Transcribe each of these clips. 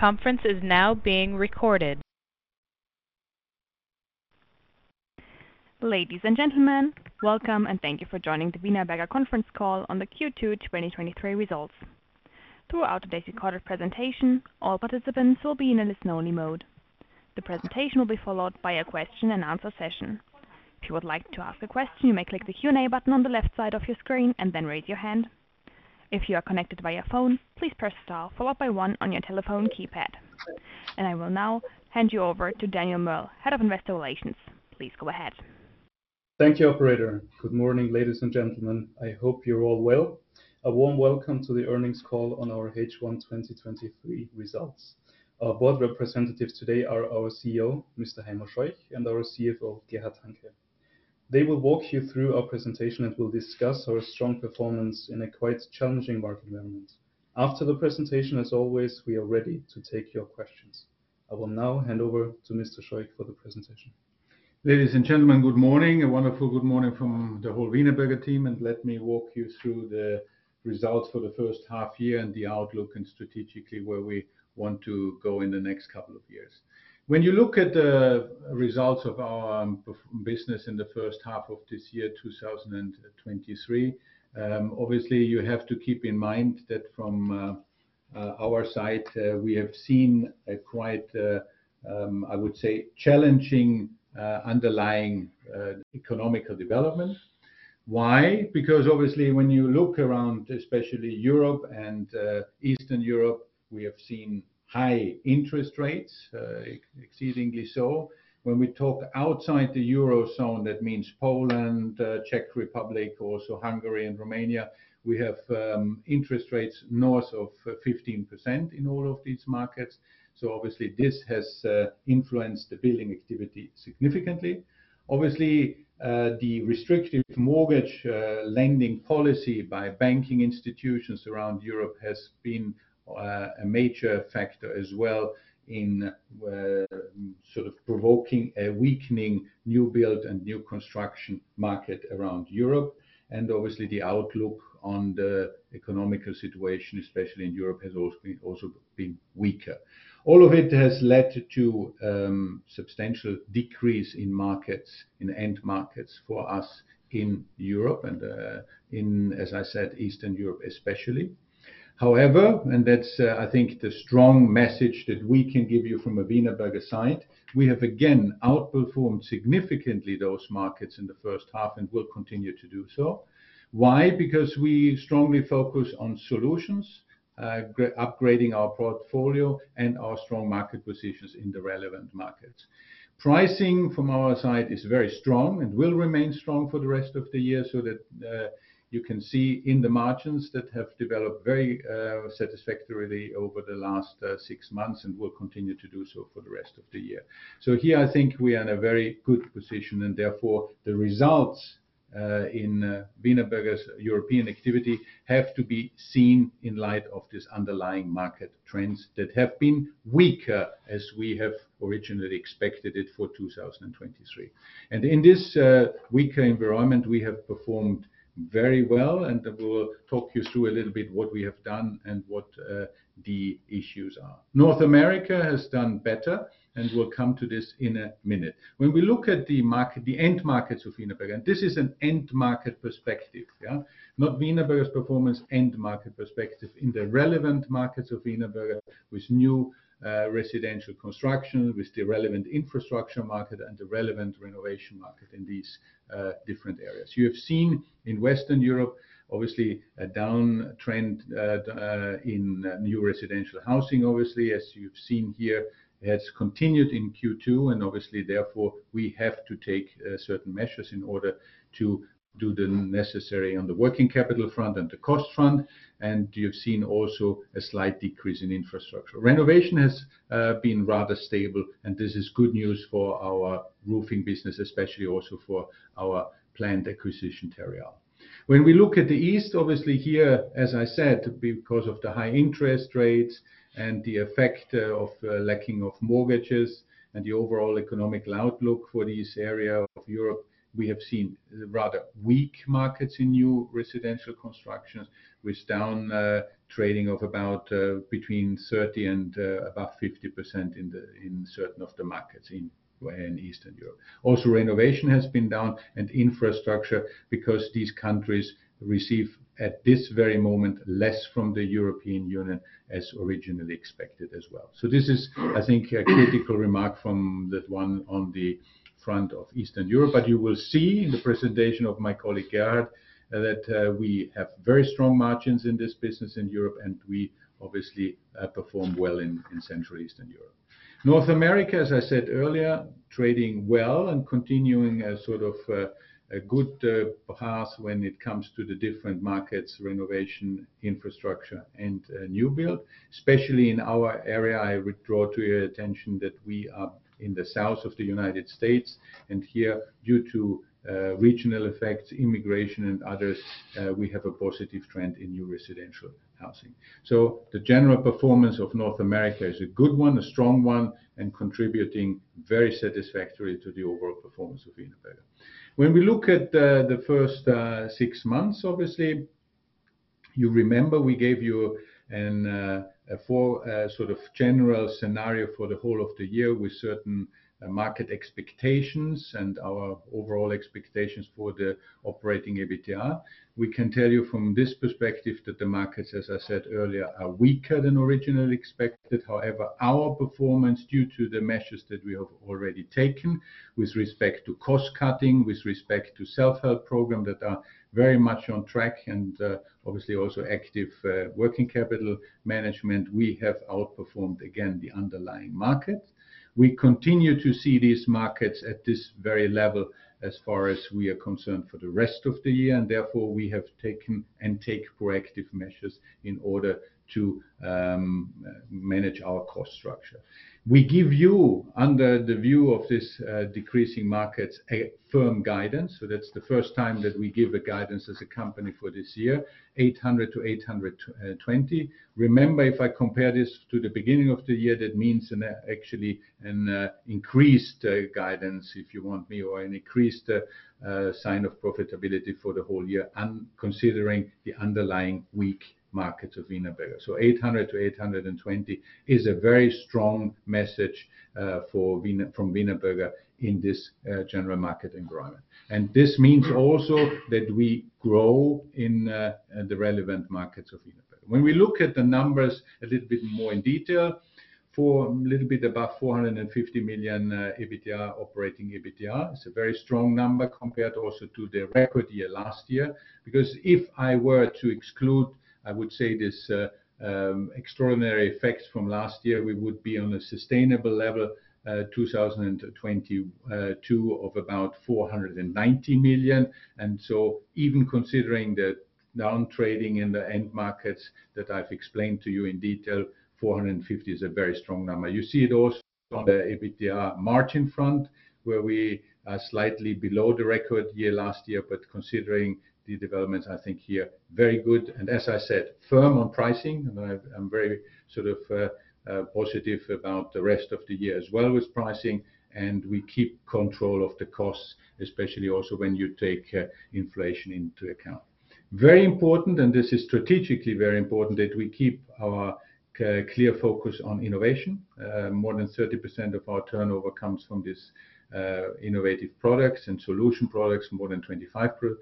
Conference is now being recorded. Ladies and gentlemen, welcome, and thank you for joining the Wienerberger conference call on the Q2 2023 results. Throughout today's recorded presentation, all participants will be in a listen-only mode. The presentation will be followed by a question-and-answer session. If you would like to ask a question, you may click the Q&A button on the left side of your screen and then raise your hand. If you are connected via phone, please press star followed by one on your telephone keypad. I will now hand you over to Daniel Merl, Head of Investor Relations. Please go ahead. Thank you, operator. Good morning, ladies and gentlemen. I hope you're all well. A warm welcome to the earnings call on our H1 2023 results. Our board representatives today are our CEO, Mr. Heimo Scheuch, and our CFO, Gerhard Hanke. They will walk you through our presentation, and we'll discuss our strong performance in a quite challenging market environment. After the presentation, as always, we are ready to take your questions. I will now hand over to Mr. Scheuch for the presentation. Ladies and gentlemen, good morning. A wonderful good morning from the whole Wienerberger team, and let me walk you through the results for the first half year and the outlook, and strategically, where we want to go in the next couple of years. When you look at the results of our business in the first half of this year, 2023, obviously, you have to keep in mind that from our side, we have seen a quite, I would say, challenging, underlying, economical development. Why? Because obviously, when you look around, especially Europe and Eastern Europe, we have seen high interest rates, exceedingly so. When we talk outside the Eurozone, that means Poland, Czech Republic, also Hungary and Romania, we have interest rates north of 15% in all of these markets. Obviously, this has influenced the building activity significantly. Obviously, the restrictive mortgage lending policy by banking institutions around Europe has been a major factor as well in sort of provoking a weakening new build and new construction market around Europe. Obviously, the outlook on the economical situation, especially in Europe, has also been weaker. All of it has led to a substantial decrease in markets, in end markets for us in Europe and, as I said, Eastern Europe, especially. However, and that's I think the strong message that we can give you from a Wienerberger side, we have again outperformed significantly those markets in the first half and will continue to do so. Why? Because we strongly focus on solutions, upgrading our portfolio and our strong market positions in the relevant markets. Pricing from our side is very strong and will remain strong for the rest of the year, so that you can see in the margins that have developed very satisfactorily over the last six months and will continue to do so for the rest of the year. Here, I think we are in a very good position, and therefore, the results in Wienerberger's European activity have to be seen in light of this underlying market trends that have been weaker as we have originally expected it for 2023. In this weaker environment, we have performed very well, and I will talk you through a little bit what we have done and what the issues are. North America has done better, and we'll come to this in a minute. When we look at the market, the end markets of Wienerberger. This is an end market perspective, yeah? Not Wienerberger's performance, end market perspective in the relevant markets of Wienerberger, with new residential construction, with the relevant infrastructure market and the relevant renovation market in these different areas. You have seen in Western Europe, obviously, a down trend in new residential housing, obviously, as you've seen here, has continued in Q2. Obviously, therefore, we have to take certain measures in order to do the necessary on the working capital front and the cost front. You've seen also a slight decrease in infrastructure. Renovation has been rather stable. This is good news for our roofing business, especially also for our planned acquisition, Terreal. When we look at the East, obviously here, as I said, because of the high interest rates and the effect of lacking of mortgages and the overall economic outlook for this area of Europe, we have seen rather weak markets in new residential construction, with down trading of about between 30% and about 50% in certain of the markets in Eastern Europe. Renovation has been down and infrastructure because these countries receive, at this very moment, less from the European Union as originally expected as well. This is, I think, a critical remark from that one on the front of Eastern Europe. You will see in the presentation of my colleague, Gerhard, that we have very strong margins in this business in Europe, and we obviously perform well in Central Eastern Europe. North America, as I said earlier, trading well and continuing a sort of, a good, path when it comes to the different markets, renovation, infrastructure, and new build. Especially in our area, I would draw to your attention that we are in the south of the United States, and here, due to, regional effects, immigration and others, we have a positive trend in new residential housing. The general performance of North America is a good one, a strong one, and contributing very satisfactory to the overall performance of Wienerberger. When we look at the first six months, obviously—you remember we gave you an, a four, sort of general scenario for the whole of the year with certain market expectations and our overall expectations for the operating EBITDA. We can tell you from this perspective that the markets, as I said earlier, are weaker than originally expected. However, our performance, due to the measures that we have already taken with respect to cost cutting, with respect to self-help program, that are very much on track and obviously also active working capital management, we have outperformed again, the underlying market. We continue to see these markets at this very level as far as we are concerned, for the rest of the year, and therefore, we have taken and take proactive measures in order to manage our cost structure. We give you, under the view of this decreasing markets, a firm guidance. That's the first time that we give a guidance as a company for this year, 800 million-820 million. Remember, if I compare this to the beginning of the year, that means an actually increased guidance, if you want me, or an increased sign of profitability for the whole year and considering the underlying weak markets of Wienerberger. 800 million-820 million is a very strong message from Wienerberger in this general market environment. This means also that we grow in the relevant markets of Wienerberger. When we look at the numbers a little bit more in detail, for a little bit above 450 million operating EBITDA, it's a very strong number compared also to the record year last year. Because if I were to exclude, I would say, this extraordinary effects from last year, we would be on a sustainable level, 2022 of about 490 million. So even considering the down trading in the end markets that I've explained to you in detail, 450 million is a very strong number. You see it also on the EBITDA margin front, where we are slightly below the record year last year, but considering the developments, I think here, very good. As I said, firm on pricing, and I'm very sort of positive about the rest of the year, as well as pricing, and we keep control of the costs, especially also when you take inflation into account. Very important, and this is strategically very important, that we keep our clear focus on innovation. More than 30% of our turnover comes from this innovative products and solution products, more than 25%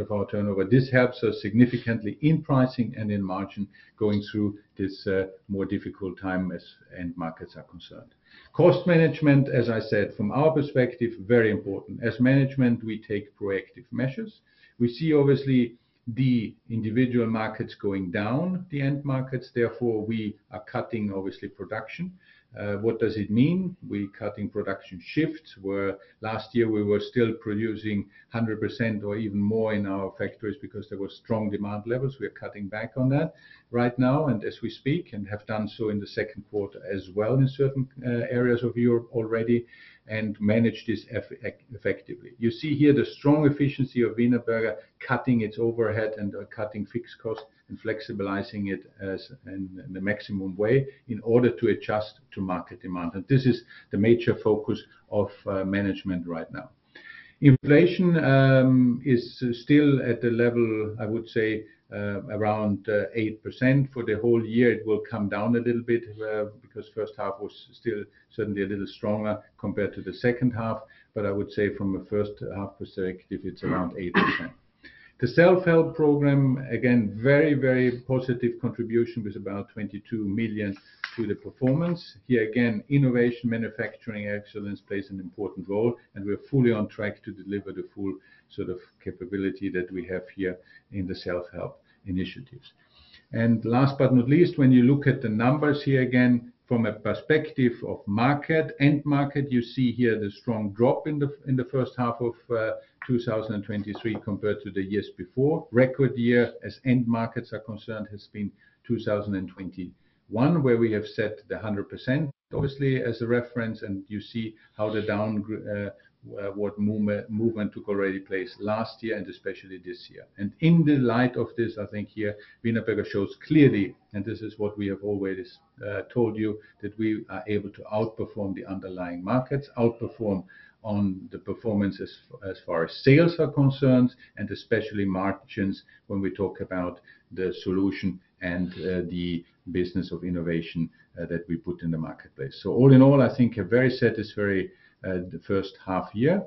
of our turnover. This helps us significantly in pricing and in margin going through this more difficult time as end markets are concerned. Cost management, as I said, from our perspective, very important. As management, we take proactive measures. We see obviously the individual markets going down, the end markets, therefore, we are cutting, obviously, production. What does it mean? We cutting production shifts, where last year we were still producing 100% or even more in our factories because there were strong demand levels. We are cutting back on that right now, and as we speak, and have done so in the second quarter as well in certain areas of Europe already, and manage this effectively. You see here the strong efficiency of Wienerberger, cutting its overhead and cutting fixed costs and flexibilizing it as in the maximum way in order to adjust to market demand. This is the major focus of management right now. Inflation is still at the level, I would say, around 8%. For the whole year, it will come down a little bit, because first half was still certainly a little stronger compared to the second half, but I would say from a first half perspective, it's around 8%. The self-help program, again, very, very positive contribution, with about 22 million to the performance. Here, again, innovation, manufacturing excellence plays an important role, and we're fully on track to deliver the full sort of capability that we have here in the self-help initiatives. Last but not least, when you look at the numbers here, again, from a perspective of market, end market, you see here the strong drop in the, in the first half of 2023 compared to the years before. Record year, as end markets are concerned, has been 2021, where we have set the 100%, obviously, as a reference. You see how the down movement took already place last year and especially this year. In the light of this, I think here, Wienerberger shows clearly, and this is what we have always told you, that we are able to outperform the underlying markets, outperform on the performances as far as sales are concerned, and especially margins when we talk about the solution and the business of innovation that we put in the marketplace. All in all, I think a very satisfactory the first half year.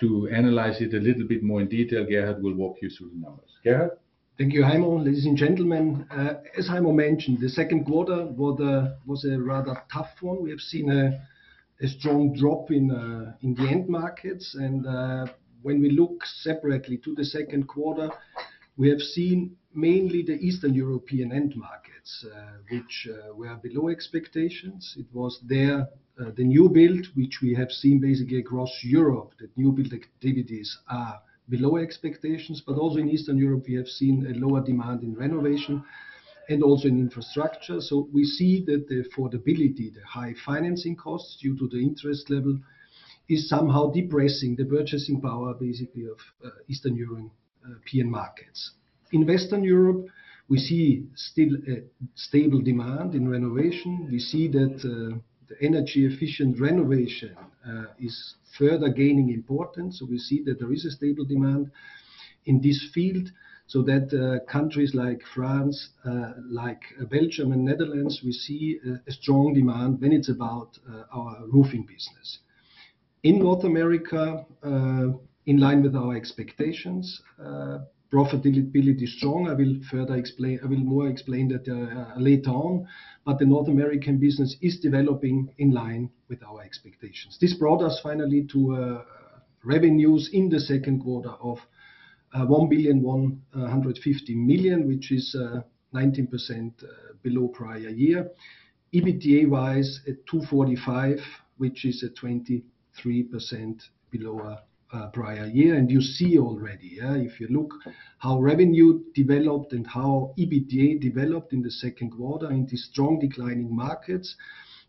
To analyze it a little bit more in detail, Gerhard will walk you through the numbers. Gerhard? Thank you, Heimo. Ladies and gentlemen, as Heimo mentioned, the second quarter was a rather tough one. We have seen a strong drop in the end markets. When we look separately to the second quarter, we have seen mainly the Eastern European end markets, which were below expectations. It was there, the new build, which we have seen basically across Europe, that new build activities are below expectations, but also in Eastern Europe, we have seen a lower demand in renovation and also in infrastructure. We see that the affordability, the high financing costs, due to the interest level, is somehow depressing the purchasing power, basically, of Eastern European markets. In Western Europe, we see still a stable demand in renovation. We see that the energy-efficient renovation is further gaining importance. We see that there is a stable demand in this field, so that countries like France, like Belgium and Netherlands, we see a strong demand when it's about our roofing business. In North America, in line with our expectations, profitability is strong. I will more explain that later on, but the North American business is developing in line with our expectations. This brought us finally to revenues in the second quarter of 1.15 billion, which is 19% below prior year. EBITDA-wise, at 245 million, which is a 23% below our prior year. You see already, yeah, if you look how revenue developed and how EBITDA developed in the second quarter in the strong declining markets,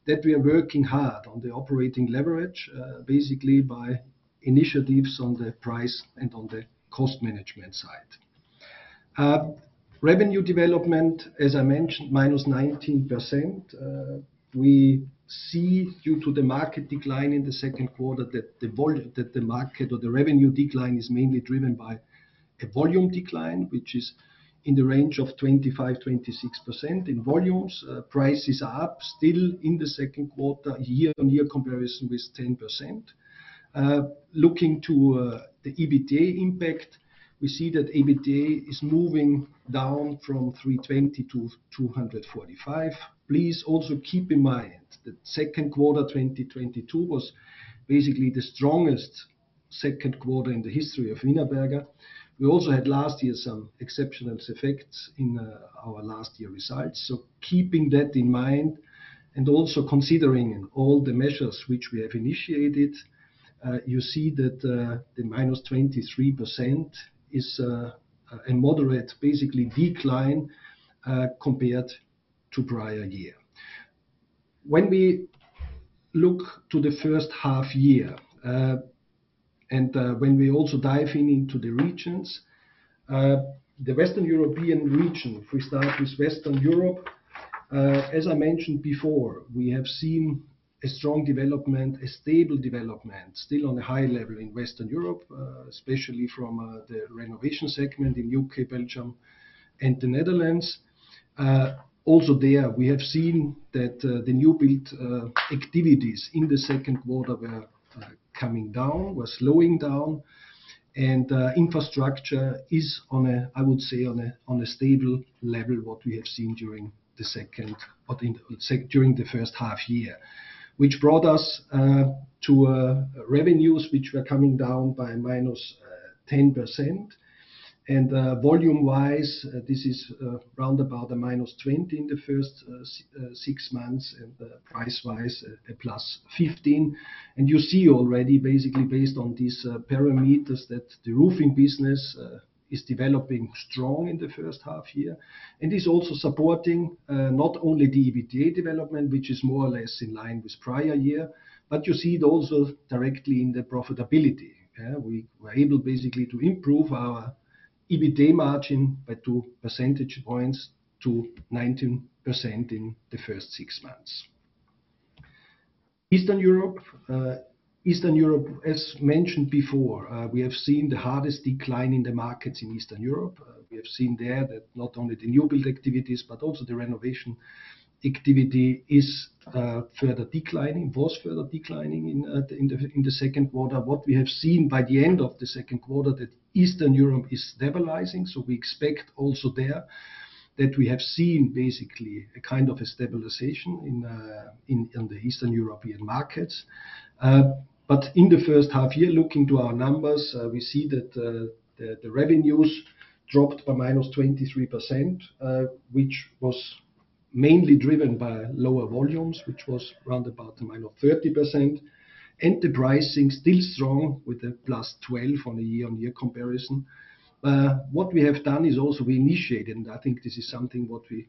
that we are working hard on the operating leverage, basically by initiatives on the price and on the cost management side. Revenue development, as I mentioned, -19%. We see, due to the market decline in the second quarter, that the market or the revenue decline is mainly driven by a volume decline, which is in the range of 25%-26% in volumes. Prices are up still in the second quarter, year-on-year comparison with 10%. Looking to the EBITDA impact, we see that EBITDA is moving down from 320 million to 245 million. Please also keep in mind that second quarter 2022 was basically the strongest second quarter in the history of Wienerberger. We also had last year some exceptional effects in our last year results. Keeping that in mind, and also considering all the measures which we have initiated, you see that the -23% is a moderate, basically decline, compared to prior year. When we look to the first half year, and when we also dive in into the regions, the Western European region, if we start with Western Europe, as I mentioned before, we have seen a strong development, a stable development, still on a high level in Western Europe, especially from the renovation segment in U.K., Belgium, and the Netherlands. Also there, we have seen that the new build activities in the second quarter were coming down, were slowing down, and infrastructure is on a, I would say, on a, on a stable level, what we have seen during the second, or during the first half year. Which brought us to revenues, which were coming down by -10%. Volume-wise, this is round about a -20% in the first six months, and price-wise, a +15%. You see already, basically, based on these parameters, that the roofing business is developing strong in the first half year and is also supporting not only the EBITDA development, which is more or less in line with prior year, but you see it also directly in the profitability. We were able basically to improve our EBITDA margin by 2 percentage points to 19% in the first six months. Eastern Europe. Eastern Europe, as mentioned before, we have seen the hardest decline in the markets in Eastern Europe. We have seen there that not only the new build activities, but also the renovation activity is further declining, was further declining in the second quarter. What we have seen by the end of the second quarter, that Eastern Europe is stabilizing. We expect also there that we have seen basically a kind of a stabilization in the Eastern European markets. In the first half year, looking to our numbers, we see that the revenues dropped by -23%, which was mainly driven by lower volumes, which was round about a -30%. The pricing still strong with a +12 on a year-on-year comparison. What we have done is also we initiated, I think this is something what we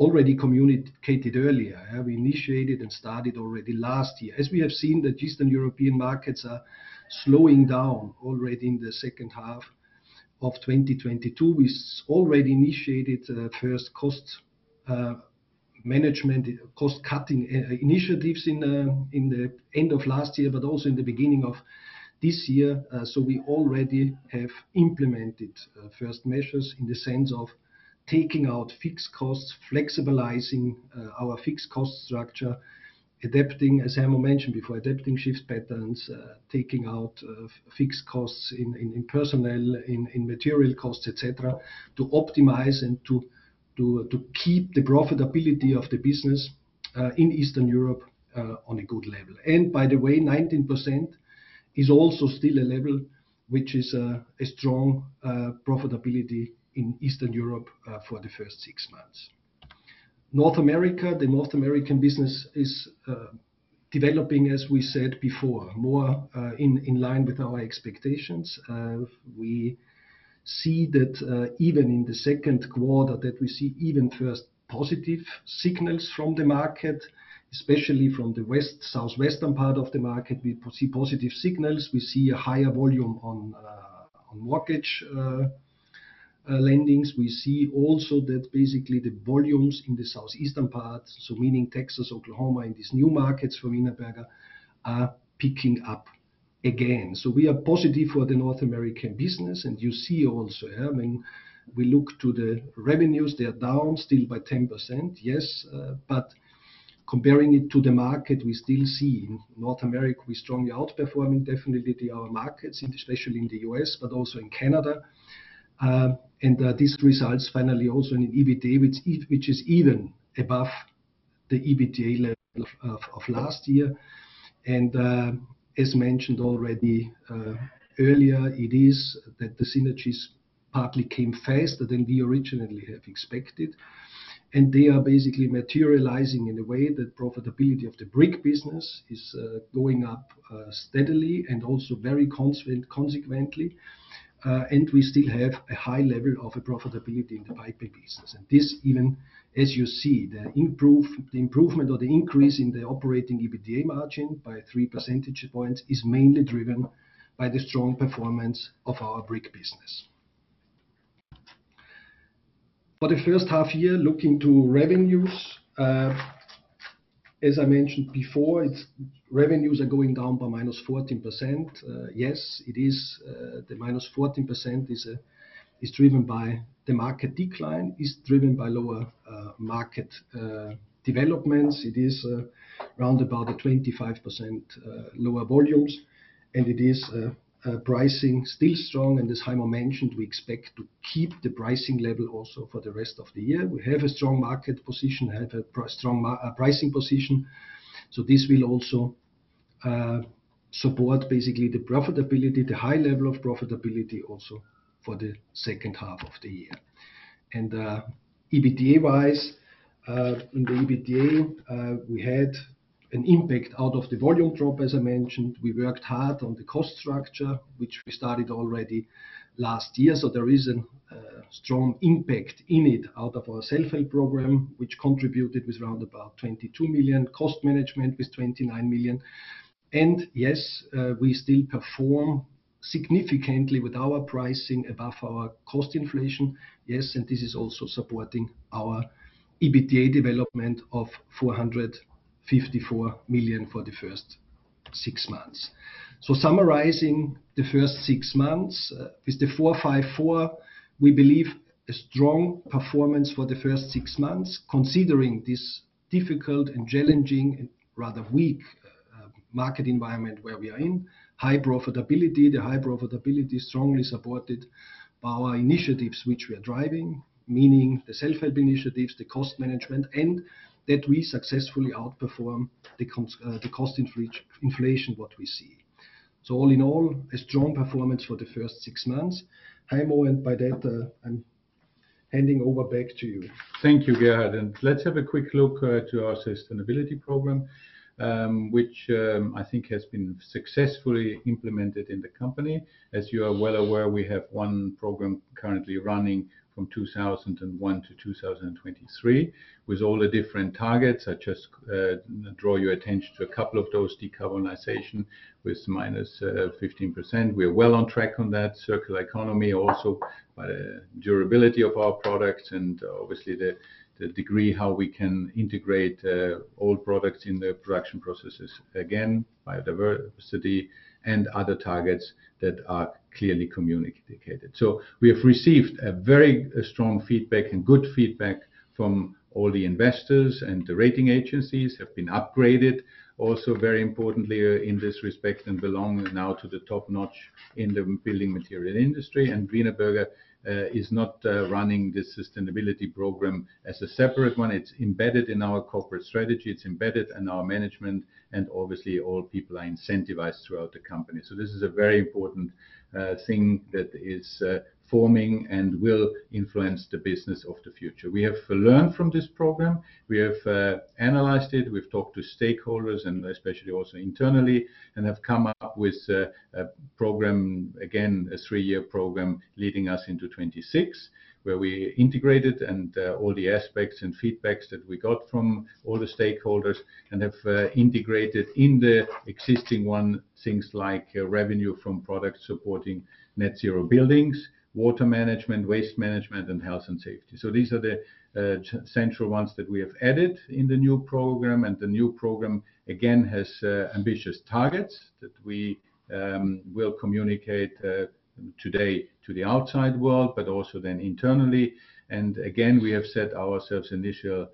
already communicated earlier. We initiated and started already last year. We have seen, the Eastern European markets are slowing down already in H2 2022. We already initiated first cost management, cost-cutting initiatives in the end of last year, but also in the beginning of this year. So we already have implemented first measures in the sense of taking out fixed costs, flexibilizing our fixed cost structure, adapting, as Samuel mentioned before, adapting shift patterns, taking out fixed costs in, in, in personnel, in, in material costs, et cetera, to optimize and to, to, to keep the profitability of the business in Eastern Europe on a good level. By the way, 19% is also still a level which is a strong profitability in Eastern Europe for the first six monthss. North America. The North American business is developing, as we said before, more in, in line with our expectations. We see that even in Q2, that we see even first positive signals from the market, especially from the west, southwestern part of the market, we see positive signals. We see a higher volume on on mortgage lendings. We see also that basically the volumes in the southeastern part, so meaning Texas, Oklahoma, and these new markets for Wienerberger, are picking up again. We are positive for the North American business. You see also, I mean, we look to the revenues, they are down still by 10%, yes. Comparing it to the market, we still see in North America, we're strongly outperforming definitely our markets, and especially in the U.S., but also in Canada. This results finally also in an EBITDA, which is even above the EBITDA level of last year. As mentioned already earlier, it is that the synergies partly came faster than we originally have expected, and they are basically materializing in a way that profitability of the brick business is going up steadily and also very consequently. We still have a high level of profitability in the pipe business. This, even as you see, the improvement or the increase in the operating EBITDA margin by 3 percentage points is mainly driven by the strong performance of our brick business. For the first half year, looking to revenues, as I mentioned before, revenues are going down by -14%. Yes, it is, the -14% is driven by the market decline, is driven by lower market developments. It is around about a 25% lower volumes, and it is pricing still strong. As Heimo mentioned, we expect to keep the pricing level also for the rest of the year. We have a strong market position, we have a strong pricing position, so this will also support basically the profitability, the high level of profitability also for the second half of the year. EBITDA-wise, in the EBITDA, we had an impact out of the volume drop, as I mentioned. We worked hard on the cost structure, which we started already last year, so there is a strong impact in it out of our self-help program, which contributed with round about 22 million, cost management with 29 million. Yes, we still perform significantly with our pricing above our cost inflation. Yes, this is also supporting our EBITDA development of 454 million for the first six months. Summarizing the first six months, with the 454 million, we believe a strong performance for the first six months, considering this difficult and challenging, and rather weak, market environment where we are in. High profitability, the high profitability is strongly supported by our initiatives, which we are driving, meaning the self-help initiatives, the cost management, and that we successfully outperform the cost inflation, what we see. All in all, a strong performance for the first six months. Heimo, by that, I'm handing over back to you. Thank you, Gerhard. Let's have a quick look to our sustainability program, which I think has been successfully implemented in the company. As you are well aware, we have one program currently running from 2001 to 2023, with all the different targets. I just draw your attention to a couple of those: decarbonization, with -15%. We are well on track on that. circular economy, also by the durability of our products and obviously, the degree how we can integrate old products in the production processes, again, biodiversity and other targets that are clearly communicated. We have received a very strong feedback and good feedback from all the investors, and the rating agencies have been upgraded. Also, very importantly, in this respect, belong now to the top-notch in the building material industry. Wienerberger is not running this sustainability program as a separate one. It's embedded in our corporate strategy, it's embedded in our management, and obviously, all people are incentivized throughout the company. This is a very important thing that is forming and will influence the business of the future. We have learned from this program, we have analyzed it, we've talked to stakeholders, and especially also internally, and have come up with a program, again, a three-year program, leading us into 2026, where we integrated all the aspects and feedbacks that we got from all the stakeholders, and have integrated in the existing one, things like revenue from products supporting net zero buildings, water management, waste management, and health and safety. These are the central ones that we have added in the new program. The new program, again, has ambitious targets that we will communicate today to the outside world, but also then internally. Again, we have set ourselves initial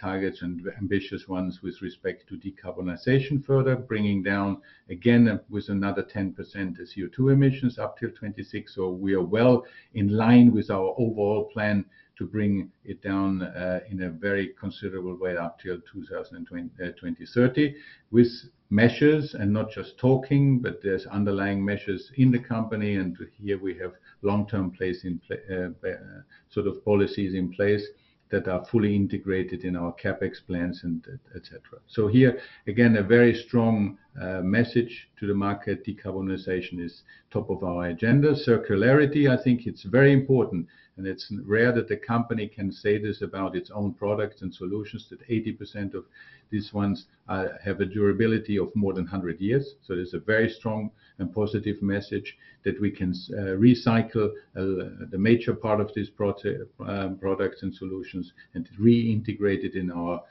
targets and ambitious ones with respect to decarbonization further, bringing down, again, with another 10% CO2 emissions up till 2026. We are well in line with our overall plan to bring it down in a very considerable way up till 2030, with measures and not just talking, but there's underlying measures in the company. Here we have long-term policies in place that are fully integrated in our CapEx plans and et cetera. Here, again, a very strong message to the market, decarbonization is top of our agenda. Circularity, I think it's very important, and it's rare that the company can say this about its own products and solutions, that 80% of these ones have a durability of more than 100 years. It's a very strong and positive message that we can recycle the major part of these products and solutions and reintegrate it in our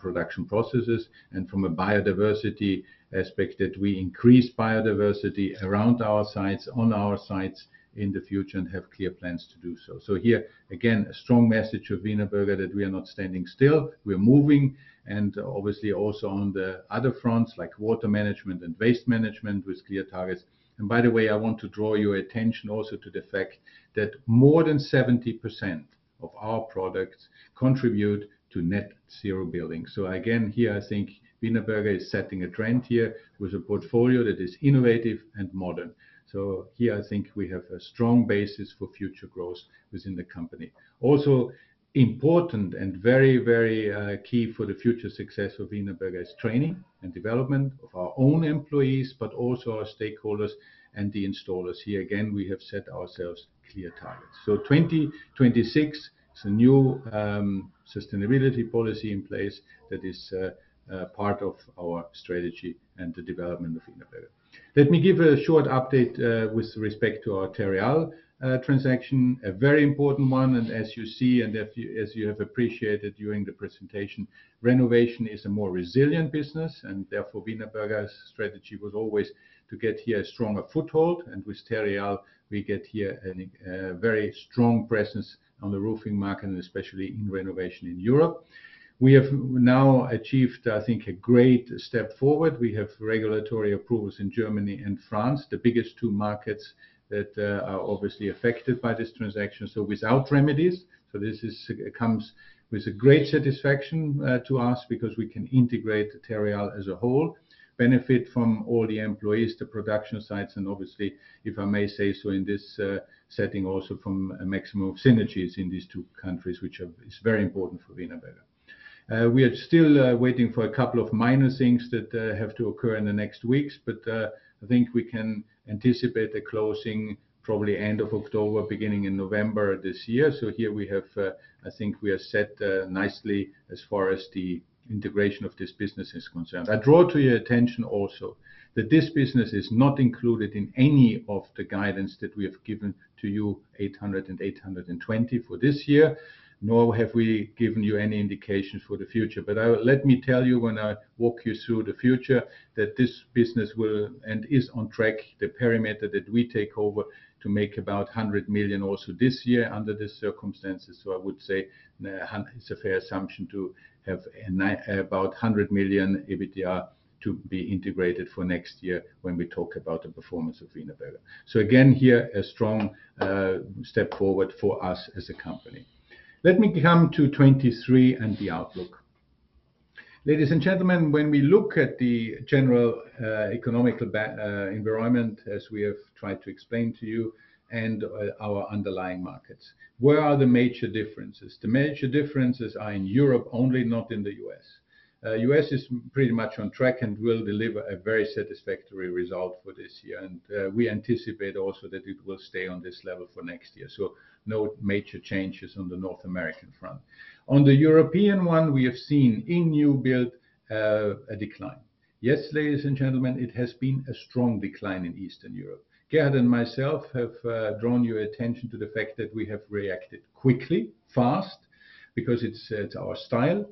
production processes, and from a biodiversity aspect, that we increase biodiversity around our sites, on our sites in the future, and have clear plans to do so. Here, again, a strong message of Wienerberger, that we are not standing still, we're moving, and obviously also on the other fronts, like water management and waste management with clear targets. By the way, I want to draw your attention also to the fact that more than 70% of our products contribute to net zero buildings. Again, here, I think Wienerberger is setting a trend here with a portfolio that is innovative and modern. Here, I think we have a strong basis for future growth within the company. Also, important and very, very key for the future success of Wienerberger is training and development of our own employees, but also our stakeholders and the installers. Here, again, we have set ourselves clear targets. 2026, it's a new sustainability policy in place that is part of our strategy and the development of Wienerberger. Let me give a short update with respect to our Terreal transaction, a very important one. As you see, as you have appreciated during the presentation, renovation is a more resilient business, therefore, Wienerberger's strategy was always to get here a stronger foothold. With Terreal, we get here a very strong presence on the roofing market, especially in renovation in Europe. We have now achieved, I think, a great step forward. We have regulatory approvals in Germany and France, the biggest two markets that are obviously affected by this transaction. Without remedies, this comes with a great satisfaction to us because we can integrate Terreal as a whole, benefit from all the employees, the production sites, and obviously, if I may say so, in this setting, also from a maximum of synergies in these two countries, which is very important for Wienerberger. We are still waiting for a couple of minor things that have to occur in the next weeks, but I think we can anticipate a closing probably end of October, beginning in November this year. Here we have, I think we are set nicely as far as the integration of this business is concerned. I draw to your attention also, that this business is not included in any of the guidance that we have given to you, 800 million and 820 million for this year, nor have we given you any indication for the future. Let me tell you when I walk you through the future, that this business will and is on track, the perimeter that we take over, to make about 100 million also this year under these circumstances. I would say it's a fair assumption to have about 100 million EBITDA to be integrated for next year when we talk about the performance of Wienerberger. Again, here, a strong step forward for us as a company. Let me come to 2023 and the outlook. Ladies and gentlemen, when we look at the general economical environment, as we have tried to explain to you and our underlying markets, where are the major differences? The major differences are in Europe only, not in the U.S. U.S. is pretty much on track and will deliver a very satisfactory result for this year. We anticipate also that it will stay on this level for next year. No major changes on the North American front. On the European one, we have seen in new build a decline. Yes, ladies and gentlemen, it has been a strong decline in Eastern Europe. Gerhard and myself have drawn your attention to the fact that we have reacted quickly, fast, because it's our style.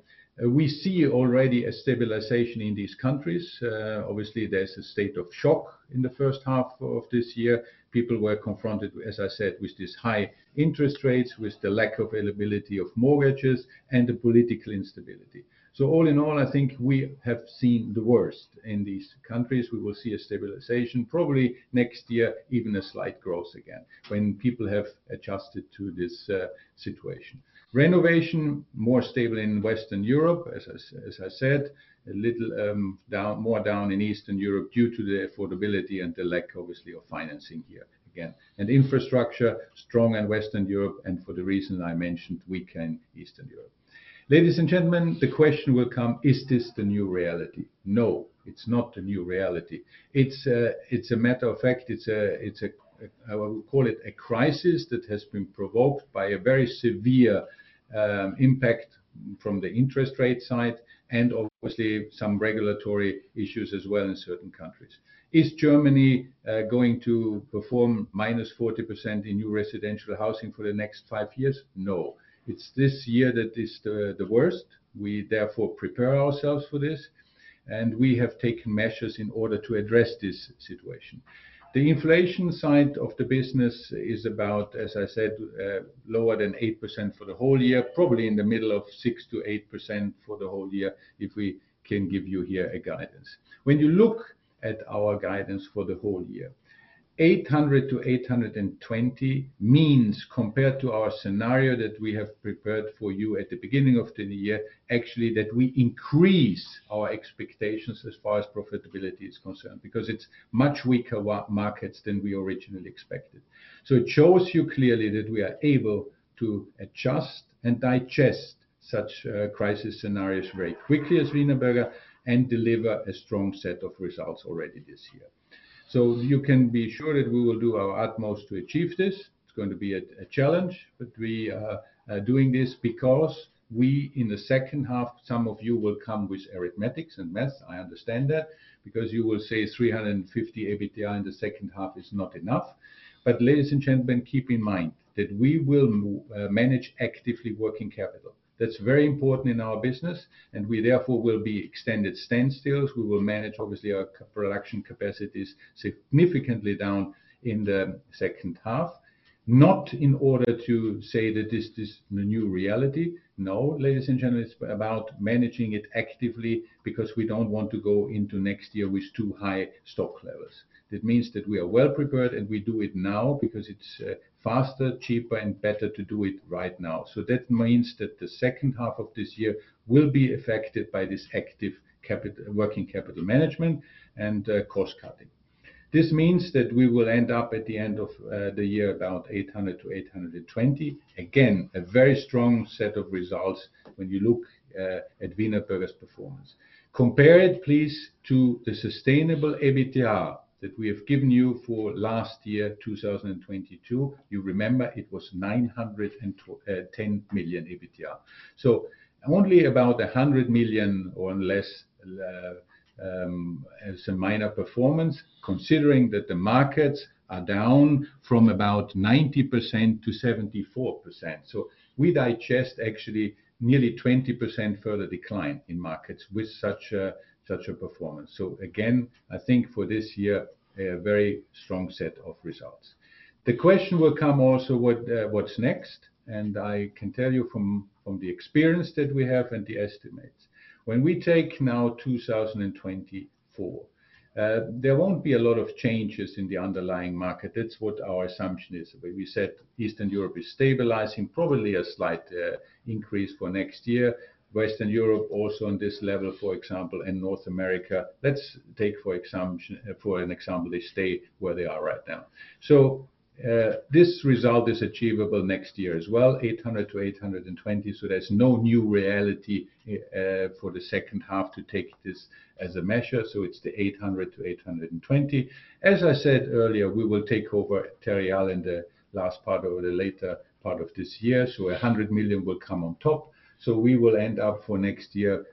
We see already a stabilization in these countries. Obviously, there's a state of shock in the first half of this year. People were confronted, as I said, with these high interest rates, with the lack availability of mortgages, and the political instability. All in all, I think we have seen the worst in these countries. We will see a stabilization, probably next year, even a slight growth again, when people have adjusted to this situation. Renovation, more stable in Western Europe, as I said, a little down, more down in Eastern Europe due to the affordability and the lack, obviously, of financing here again. Infrastructure, strong in Western Europe, and for the reason I mentioned, weak in Eastern Europe. Ladies and gentlemen, the question will come: Is this the new reality? No, it's not the new reality. It's a matter of fact, I will call it a crisis that has been provoked by a very severe impact from the interest rate side and obviously some regulatory issues as well in certain countries. Is Germany going to perform -40% in new residential housing for the next five years? No. It's this year that is the worst. We therefore prepare ourselves for this, and we have taken measures in order to address this situation. The inflation side of the business is about, as I said, lower than 8% for the whole year, probably in the middle of 6%-8% for the whole year, if we can give you here a guidance. When you look at our guidance for the whole year, 800 million-820 million means, compared to our scenario that we have prepared for you at the beginning of the new year, actually, that we increase our expectations as far as profitability is concerned, because it's much weaker markets than we originally expected. It shows you clearly that we are able to adjust and digest such crisis scenarios very quickly as Wienerberger, and deliver a strong set of results already this year. You can be sure that we will do our utmost to achieve this. It's going to be a, a challenge, we are doing this because we, in the second half, some of you will come with arithmetics and math. I understand that, because you will say 350 million EBITDA in the second half is not enough. Ladies and gentlemen, keep in mind that we will manage actively working capital. That's very important in our business, we therefore will be extended standstills. We will manage, obviously, our production capacities significantly down in the second half, not in order to say that this is the new reality. No, ladies and gentlemen, it's about managing it actively because we don't want to go into next year with too high stock levels. That means that we are well prepared, we do it now because it's faster, cheaper, and better to do it right now. That means that the second half of this year will be affected by this active working capital management and cost cutting. This means that we will end up, at the end of the year, about 800 million-820 million. Again, a very strong set of results when you look at Wienerberger's performance. Compare it, please, to the sustainable EBITDA that we have given you for last year, 2022. You remember, it was 910 million EBITDA. Only about 100 million or less as a minor performance, considering that the markets are down from about 90% to 74%. We digest actually nearly 20% further decline in markets with such a performance. Again, I think for this year, a very strong set of results. The question will come also, what, what's next? I can tell you from the experience that we have and the estimates. When we take now 2024, there won't be a lot of changes in the underlying market. That's what our assumption is. We said Eastern Europe is stabilizing, probably a slight increase for next year. Western Europe, also on this level, for example, and North America. Let's take, for example, for an example, they stay where they are right now. This result is achievable next year as well, 800 million-820 million. There's no new reality for the second half to take this as a measure, it's the 800 million-820 million. As I said earlier, we will take over Terreal in the last part or the later part of this year, 100 million will come on top. We will end up for next year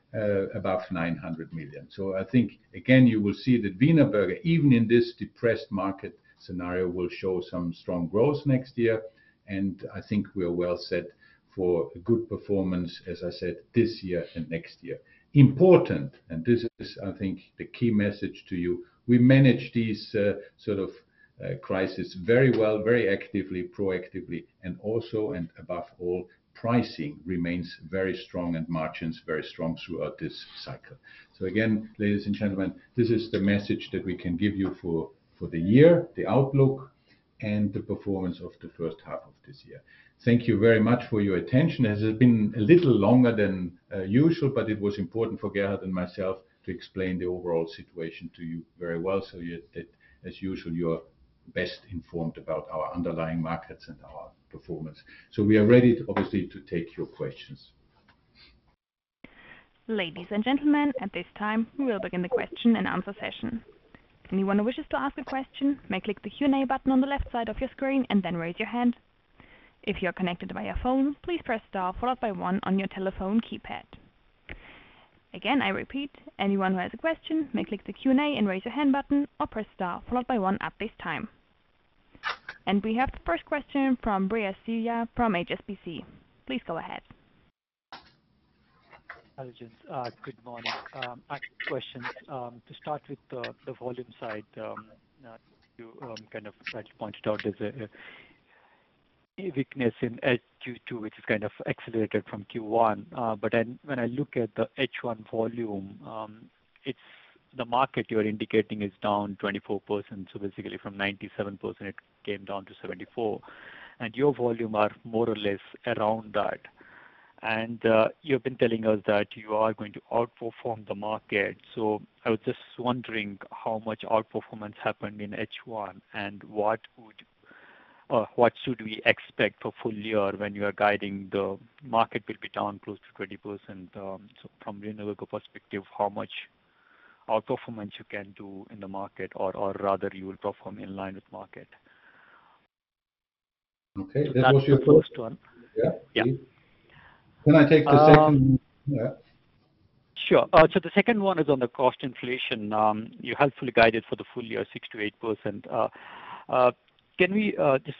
above 900 million. I think, again, you will see that Wienerberger, even in this depressed market scenario, will show some strong growth next year, and I think we are well set for a good performance, as I said, this year and next year. Important, this is, I think, the key message to you: we manage these sort of crisis very well, very actively, proactively, and also, and above all, pricing remains very strong and margins very strong throughout this cycle. Again, ladies and gentlemen, this is the message that we can give you for, for the year, the outlook, and the performance of the first half of this year. Thank you very much for your attention. It has been a little longer than usual, but it was important for Gerhard and myself to explain the overall situation to you very well, so that as usual, you are best informed about our underlying markets and our performance. We are ready, obviously, to take your questions. Ladies and gentlemen, at this time, we will begin the question and answer session. Anyone who wishes to ask a question may click the Q&A button on the left side of your screen and then raise your hand. If you are connected via phone, please press star followed by one on your telephone keypad. Again, I repeat, anyone who has a question may click the Q&A and raise your hand button or press star followed by one at this time. We have the first question from Bri Siya, from HSBC. Please go ahead. Hi, just, good morning. I have a question. To start with the, the volume side, you kind of tried to point it out, there's a weakness in H2, which is kind of accelerated from Q1. Then when I look at the H1 volume, the market you're indicating is down 24%, so basically from 97%, it came down to 74%. Your volume are more or less around that. You've been telling us that you are going to outperform the market. I was just wondering how much outperformance happened in H1? And what would, or what should we expect for full year when you are guiding the market will be down close to 20%? From Wienerberger perspective, how much outperformance you can do in the market, or, or rather you will perform in line with market? Okay, that was your first one? Yeah. Yeah. Yeah. Can I take the second one? Yeah. Sure. The second one is on the cost inflation. You helpfully guided for the full year, 6%-8%. Can we just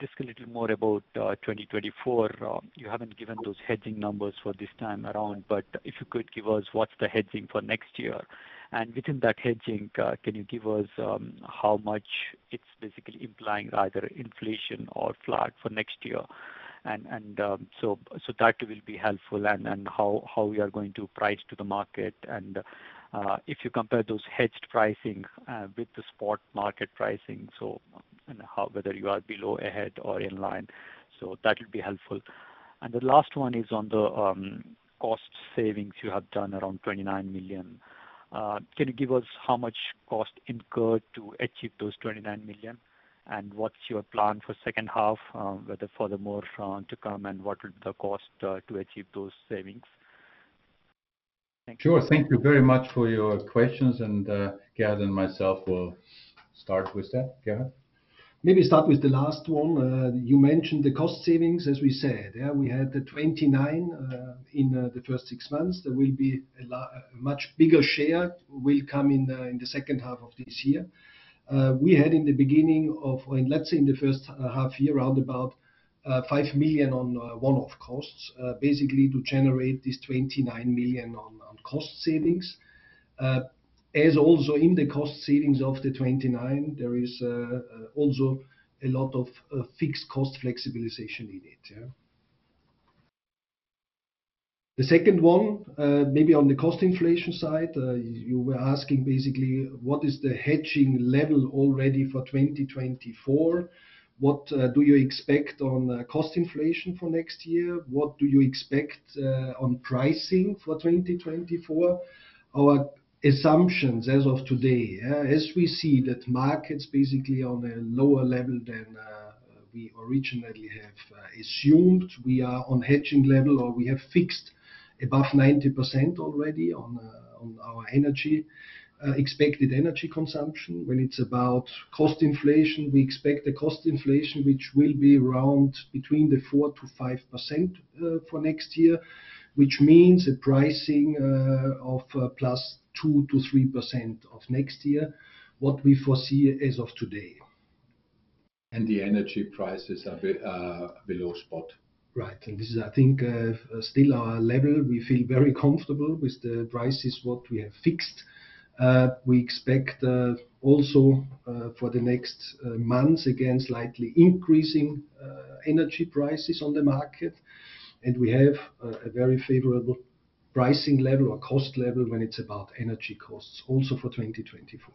discuss a little more about 2024? You haven't given those hedging numbers for this time around, but if you could give us what's the hedging for next year. Within that hedging, can you give us how much it's basically implying either inflation or flat for next year? That will be helpful, and how we are going to price to the market. If you compare those hedged pricing with the spot market pricing, whether you are below, ahead, or in line. That will be helpful. The last one is on the cost savings you have done around 29 million. Can you give us how much cost incurred to achieve those 29 million? What's your plan for second half, whether furthermore to come, and what would the cost to achieve those savings? Thank you. Sure. Thank you very much for your questions, and Gerhard and myself will start with that. Gerhard? Maybe start with the last one. You mentioned the cost savings, as we said. Yeah, we had the 29 million in the first six months. There will be a much bigger share will come in the second half of this year. We had in the beginning of let's say in the first half-year, around about 5 million on one-off costs, basically to generate this 29 million on cost savings. As also in the cost savings of the 29 million, there is also a lot of fixed cost flexibilization in it. Yeah. The second one, maybe on the cost inflation side, you were asking, basically, what is the hedging level already for 2024? What do you expect on cost inflation for next year? What do you expect, on pricing for 2024? Our assumptions as of today, as we see that market's basically on a lower level than, we originally have, assumed. We are on hedging level, or we have fixed above 90% already on, on our energy, expected energy consumption. When it's about cost inflation, we expect the cost inflation, which will be around between the 4%-5%, for next year, which means a pricing, of, +2%-3% of next year, what we foresee as of today. The energy prices are below spot. Right. This is, I think, still our level. We feel very comfortable with the prices, what we have fixed. We expect also for the next months, again, slightly increasing energy prices on the market, and we have a very favorable pricing level or cost level when it's about energy costs, also for 2024.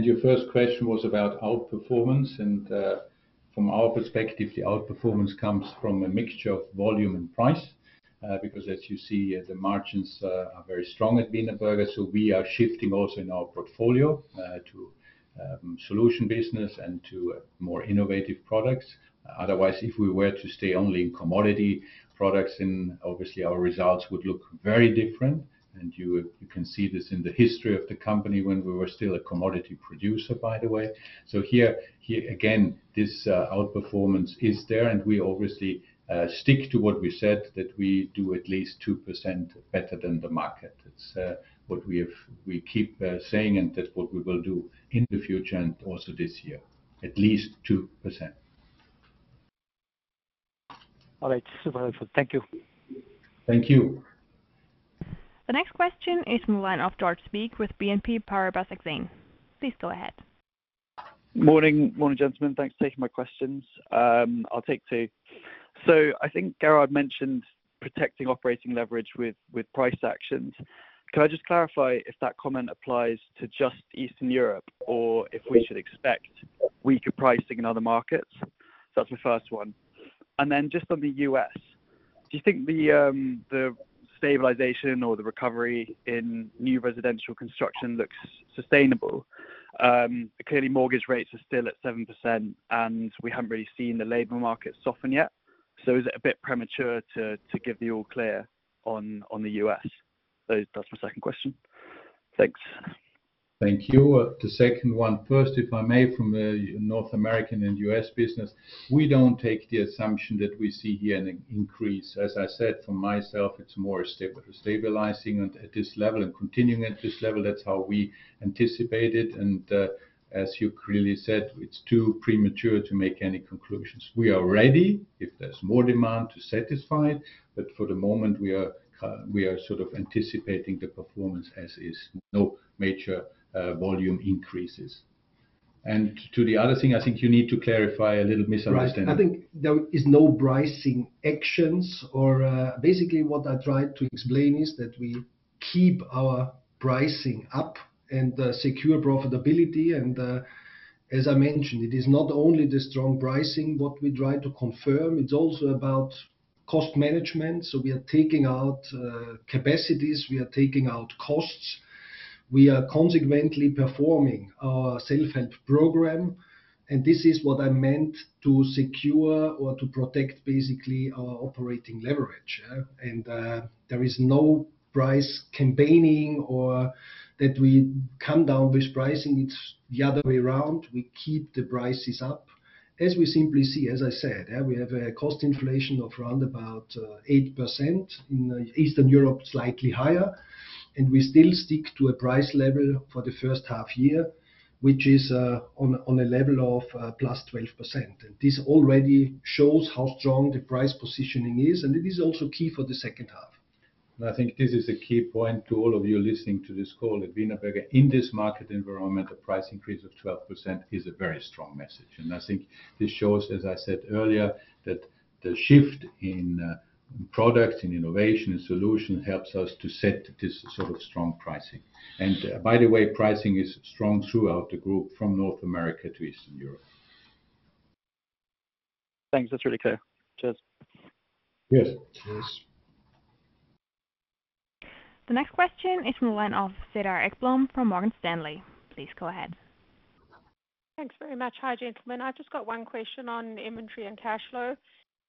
Your first question was about outperformance, from our perspective, the outperformance comes from a mixture of volume and price. Because as you see, the margins are very strong at Wienerberger, so we are shifting also in our portfolio to solution business and to more innovative products. Otherwise, if we were to stay only in commodity products, then obviously our results would look very different, and you can see this in the history of the company when we were still a commodity producer, by the way. Here, here, again, this outperformance is there, and we obviously stick to what we said, that we do at least 2% better than the market. It's what we keep saying, and that's what we will do in the future and also this year, at least 2%. All right. Super helpful. Thank you. Thank you. The next question is from the line of George Speak with BNP Paribas Exane. Please go ahead. Morning, morning, gentlemen. Thanks for taking my questions. I'll take two. I think Gerhard mentioned protecting operating leverage with, with price actions. Can I just clarify if that comment applies to just Eastern Europe or if we should expect weaker pricing in other markets? That's my first one. Then just on the U.S., do you think the stabilization or the recovery in new residential construction looks sustainable? Clearly, mortgage rates are still at 7%, and we haven't really seen the labor market soften yet. Is it a bit premature to, to give the all clear on, on the U.S.? That's my second question. Thanks. Thank you. The second one first, if I may, from a North American and U.S. business, we don't take the assumption that we see here an increase. As I said, for myself, it's more stable- stabilizing at, at this level and continuing at this level. That's how we anticipate it, and, as you clearly said, it's too premature to make any conclusions. We are ready if there's more demand to satisfy, but for the moment, we are, we are sort of anticipating the performance as is, no major volume increases. To the other thing, I think you need to clarify a little misunderstanding. Right. I think there is no pricing actions or. Basically, what I tried to explain is that we keep our pricing up and secure profitability. As I mentioned, it is not only the strong pricing, what we try to confirm, it's also about cost management. We are taking out capacities, we are taking out costs. We are consequently performing our self-help program. This is what I meant to secure or to protect, basically, our operating leverage, yeah? There is no price campaigning or that we come down with pricing. It's the other way around, we keep the prices up. As we simply see, as I said, we have a cost inflation of around about 8%, in Eastern Europe, slightly higher. We still stick to a price level for the first half year, which is on a level of +12%. This already shows how strong the price positioning is, and it is also key for the second half. I think this is a key point to all of you listening to this call at Wienerberger. In this market environment, a price increase of 12% is a very strong message, and I think this shows, as I said earlier, that the shift in product, in innovation and solution helps us to set this sort of strong pricing. By the way, pricing is strong throughout the group, from North America to Eastern Europe. Thanks. That's really clear. Cheers. Yes. Cheers. The next question is from the line of Cedar Ekblom from Morgan Stanley. Please go ahead. Thanks very much. Hi, gentlemen. I've just got one question on inventory and working capital.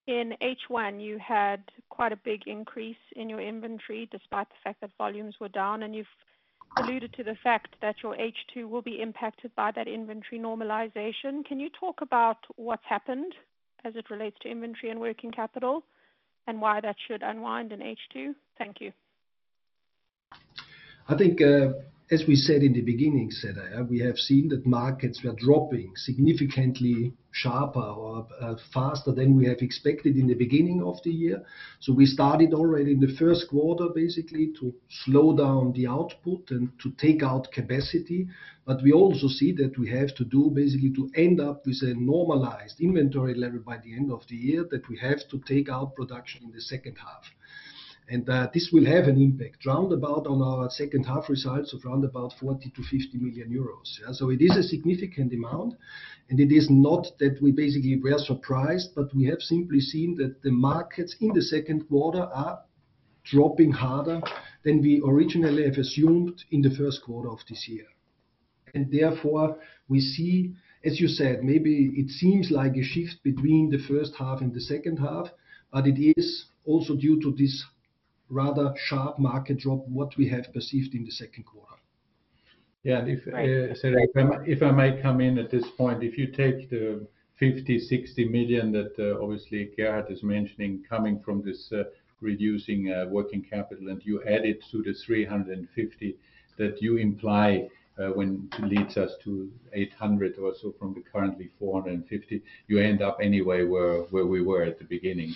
In H1, you had quite a big increase in your inventory, despite the fact that volumes were down, and you've alluded to the fact that your H2 will be impacted by that inventory normalization. Can you talk about what's happened as it relates to inventory and working capital, and why that should unwind in H2? Thank you. I think, as we said in the beginning, Cedar, we have seen that markets were dropping significantly sharper or faster than we have expected in the beginning of the year. We started already in the first quarter, basically, to slow down the output and to take out capacity. We also see that we have to do, basically, to end up with a normalized inventory level by the end of the year, that we have to take out production in the second half. This will have an impact around about on our second half results of around about 40 million-50 million euros. Yeah. It is a significant amount, and it is not that we basically were surprised, but we have simply seen that the markets in the second quarter are dropping harder than we originally have assumed in the first quarter of this year. Therefore, we see, as you said, maybe it seems like a shift between the first half and the second half, but it is also due to this rather sharp market drop, what we have perceived in the second quarter. Yeah, and if— Right. Cedar, if I, if I may come in at this point. If you take the 50 million-60 million that, obviously, Gerhard is mentioning, coming from this reducing working capital, and you add it to the 350 million that you imply, when leads us to 800 million or so from the currently 450 million, you end up anyway where, where we were at the beginning.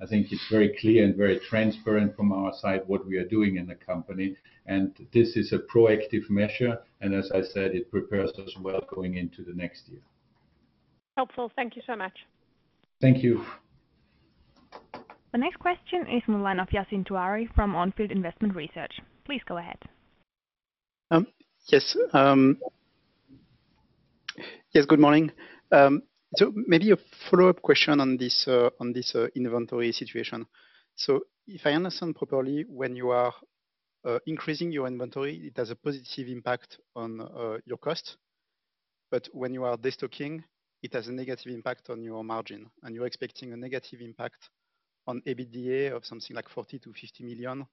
I think it's very clear and very transparent from our side what we are doing in the company. This is a proactive measure, as I said, it prepares us well going into the next year. Helpful. Thank you so much. Thank you. The next question is from the line of Yassine Touahri from On Field Investment Research Please go ahead. Yes, good morning. Maybe a follow-up question on this, on this, inventory situation. If I understand properly, when you are increasing your inventory, it has a positive impact on your cost, but when you are destocking, it has a negative impact on your margin, and you're expecting a negative impact on EBITDA of something like 40 million-50 million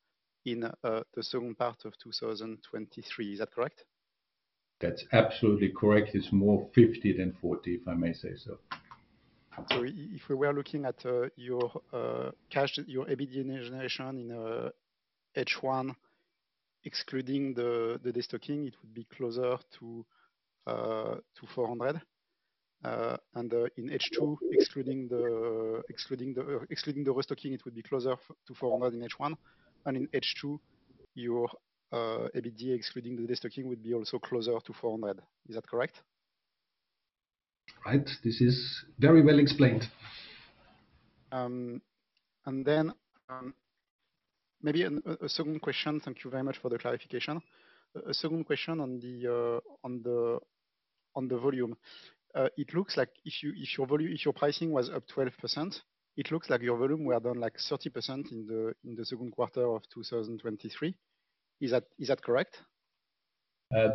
in the second part of 2023. Is that correct? That's absolutely correct. It's more 50 million than 40 million, if I may say so. If we were looking at your cash, your EBITDA generation in H1, excluding the destocking, it would be closer to 400 million. And in H2, excluding the restocking, it would be closer to 400 million in H1, and in H2, your EBITDA, excluding the destocking, would be also closer to 400 million. Is that correct? Right. This is very well explained. Maybe a second question. Thank you very much for the clarification. A second question on the volume. It looks like if your pricing was up 12%, it looks like your volume were down, like 30% in the second quarter of 2023. Is that, is that correct?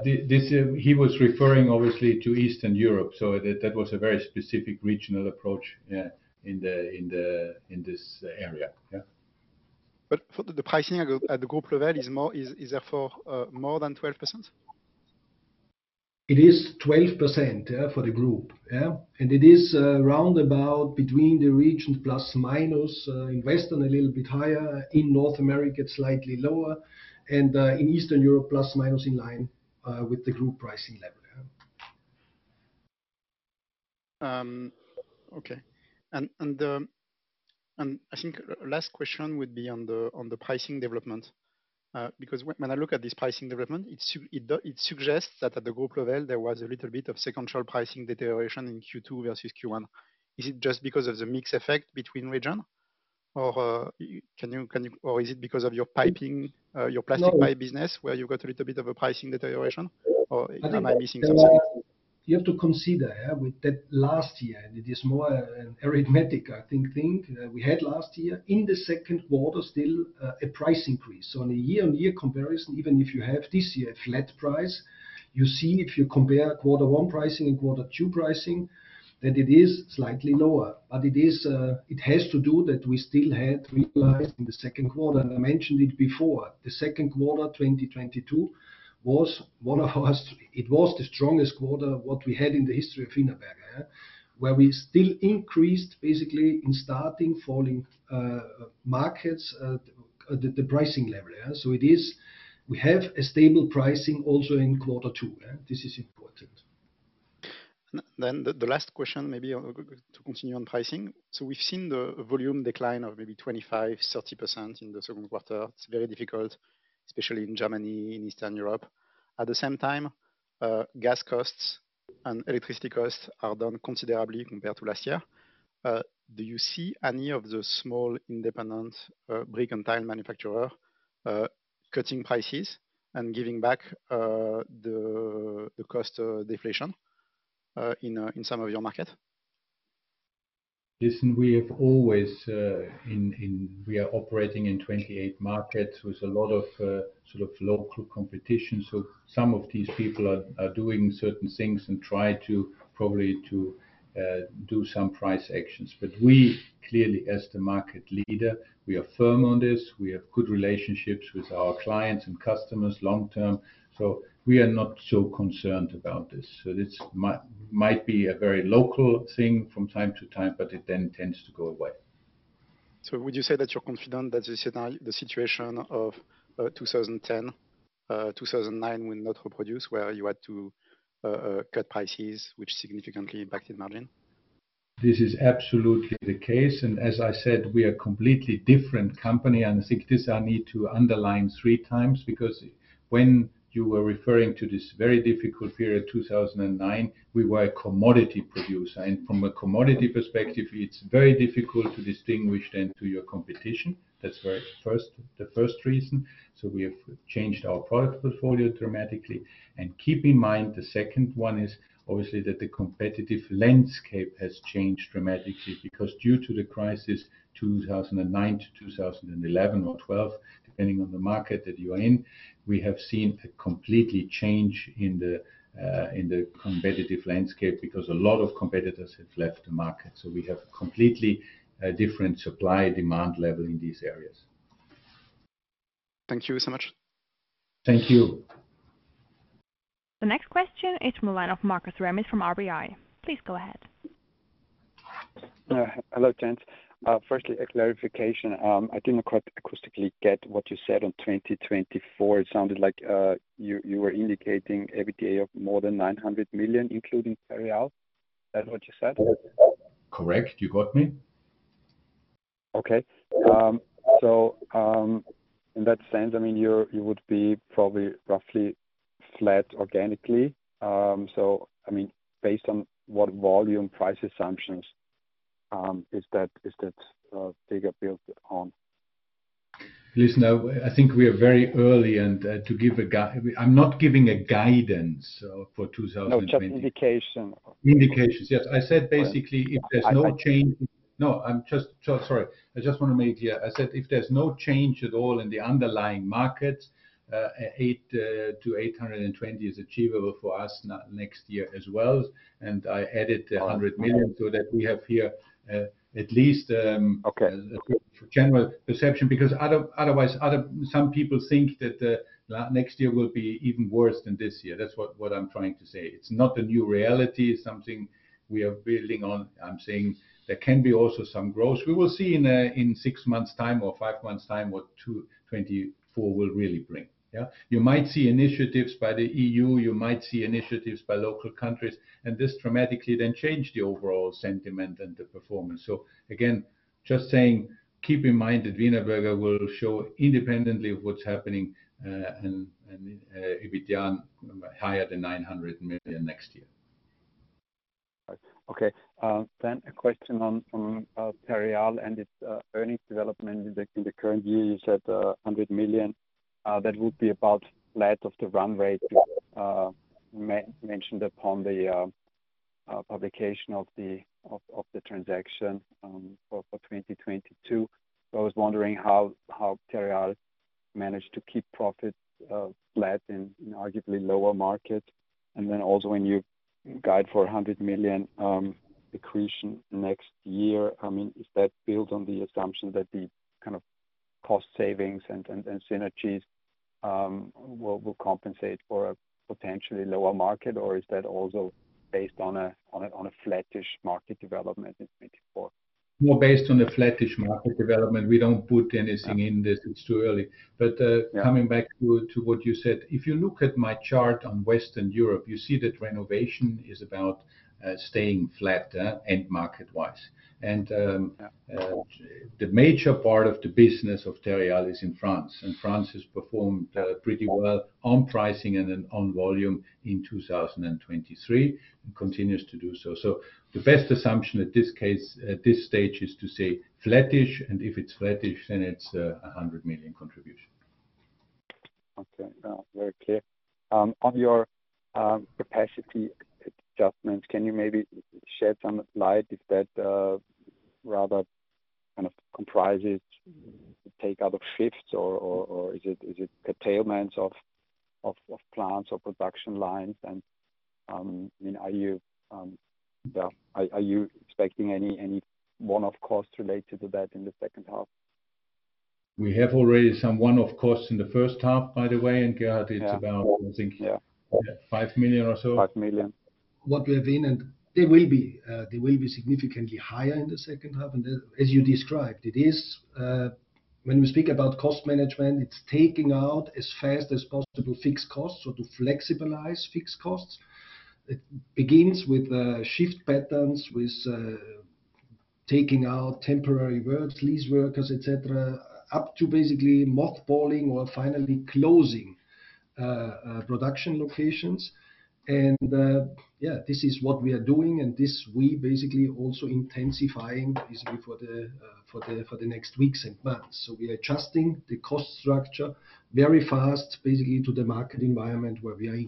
This, this, he was referring obviously to Eastern Europe, so that, that was a very specific regional approach, in the, in the, in this, area. Yeah. For the pricing at the group level is more, is therefore, more than 12%? It is 12%, yeah, for the group. Yeah. It is around about between the region, plus, minus, in Western Europe, a little bit higher, in North America, it's slightly lower, and in Eastern Europe, plus, minus in line with the group pricing level. Yeah. Okay. I think last question would be on the, on the pricing development. When I look at this pricing development, it suggests that at the group level, there was a little bit of sequential pricing deterioration in Q2 versus Q1. Is it just because of the mix effect between region? Or, can you—or is it because of your piping, your plastic pipe business where you got a little bit of a pricing deterioration? Or am I missing something? You have to consider, yeah, with that last year. It is more an arithmetic, I think, thing that we had last year. In the second quarter, still, a price increase. On a year-on-year comparison, even if you have this year a flat price, you see if you compare quarter one pricing and quarter two pricing, that it is slightly lower. It is, it has to do that we still had realized in the second quarter, and I mentioned it before, the second quarter, 2022, was the strongest quarter what we had in the history of Wienerberger, yeah. Where we still increased basically in starting falling, markets, the, the pricing level, yeah. It is, we have a stable pricing also in quarter two, yeah. This is important. The, the last question maybe on to continue on pricing. We've seen the volume decline of maybe 25%-30% in the second quarter. It's very difficult, especially in Germany, in Eastern Europe. At the same time, gas costs and electricity costs are down considerably compared to last year. Do you see any of the small independent brick and tile manufacturer cutting prices and giving back the, the cost deflation in some of your market? Listen, we have always we are operating in 28 markets with a lot of sort of local competition. Some of these people are, are doing certain things and try to probably to do some price actions. We, clearly, as the market leader, we are firm on this. We have good relationships with our clients and customers long term, so we are not so concerned about this. This might be a very local thing from time to time, but it then tends to go away. Would you say that you're confident that the situation of 2010, 2009 will not reproduce, where you had to cut prices, which significantly impacted margin? This is absolutely the case. As I said, we are a completely different company, and I think this I need to underline three times. When you were referring to this very difficult period, 2009, we were a commodity producer, and from a commodity perspective, it's very difficult to distinguish then to your competition. That's where first, the first reason. We have changed our product portfolio dramatically. Keep in mind, the second one is obviously that the competitive landscape has changed dramatically, because due to the crisis, 2009-2011 or 2012, depending on the market that you are in, we have seen a completely change in the competitive landscape because a lot of competitors have left the market. We have a completely different supply-demand level in these areas. Thank you so much. Thank you. The next question is from the line of Markus Remis from RBI. Please go ahead. Hello, gents. Firstly, a clarification. I didn't quite acoustically get what you said on 2024. It sounded like, you, you were indicating EBITDA of more than 900 million, including Terreal. Is that what you said? Correct. You got me. Okay. In that sense, I mean, you would be probably roughly flat organically. I mean, based on what volume price assumptions, is that, is that, figure built on? Listen, I, I think we are very early, and to give a gu—I'm not giving a guidance for 2020— No, just indication. Indications, yes. I said basically, if there's no change— I, I— So sorry. I just want to make clear. I said, if there's no change at all in the underlying market, 800 million-820 million is achievable for us next year as well. I added the 100 million so that we have here, at least— Okay. —a good general perception, because otherwise, some people think that next year will be even worse than this year. That's what I'm trying to say. It's not a new reality, it's something we are building on. I'm saying there can be also some growth. We will see in six months' time or five months' time, what 2024 will really bring, yeah? You might see initiatives by the EU, you might see initiatives by local countries, and this dramatically then change the overall sentiment and the performance. Again, just saying, keep in mind that Wienerberger will show independently of what's happening, and EBITDA higher than 900 million next year. Right. Okay, then a question on, on Terreal and its earnings development. In the current year, you said 100 million, that would be about flat of the run rate mentioned upon the publication of the transaction for 2022. I was wondering how Terreal managed to keep profits flat in arguably lower market. Then also when you guide for 100 million accretion next year, I mean, is that built on the assumption that the kind of cost savings and synergies will compensate for a potentially lower market, or is that also based on a flattish market development in 2024? More based on a flattish market development. We don't put anything in this. It's too early. Yeah. But coming back to, to what you said, if you look at my chart on Western Europe, you see that renovation is about staying flat, end market-wise. The major part of the business of Terreal is in France, and France has performed pretty well on pricing and then on volume in 2023 and continues to do so. The best assumption at this case, at this stage, is to say flattish, and if it's flattish, then it's 100 million contribution. Okay, very clear. On your capacity adjustments, can you maybe shed some light if that rather kind of comprises take out of shifts or, or, or is it, is it curtailments of, of, of plants or production lines? I mean, are you, yeah, are, are you expecting any, any one-off costs related to that in the second half? We have already some one-off costs in the first half, by the way, and Gerhard, it's about, I think 5 million or so. 5 million. What we have in, they will be significantly higher in the second half. As you described, it is, when we speak about cost management, it's taking out as fast as possible fixed costs, so to flexibilize fixed costs. It begins with shift patterns, with taking out temporary workers, lease workers, et cetera, up to basically mothballing or finally closing production locations. This is what we are doing, and this we also intensifying for the next weeks and months. We are adjusting the cost structure very fast to the market environment where we are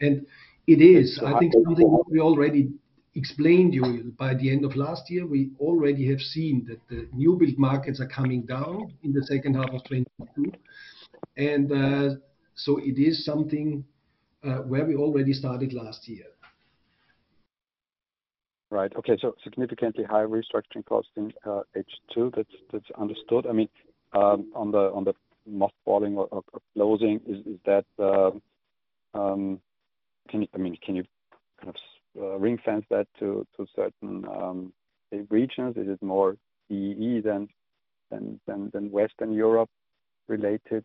in. It is, I think something what we already explained you, by the end of last year, we already have seen that the new build markets are coming down in the second half of 2022. So it is something where we already started last year. Right. Okay, significantly higher restructuring costs in H2. That's, that's understood. I mean, on the, on the mothballing or, or closing, is, is that—can you, I mean, can you kind of, ring-fence that to, to certain regions? Is it more CEE than, than, than Western Europe related?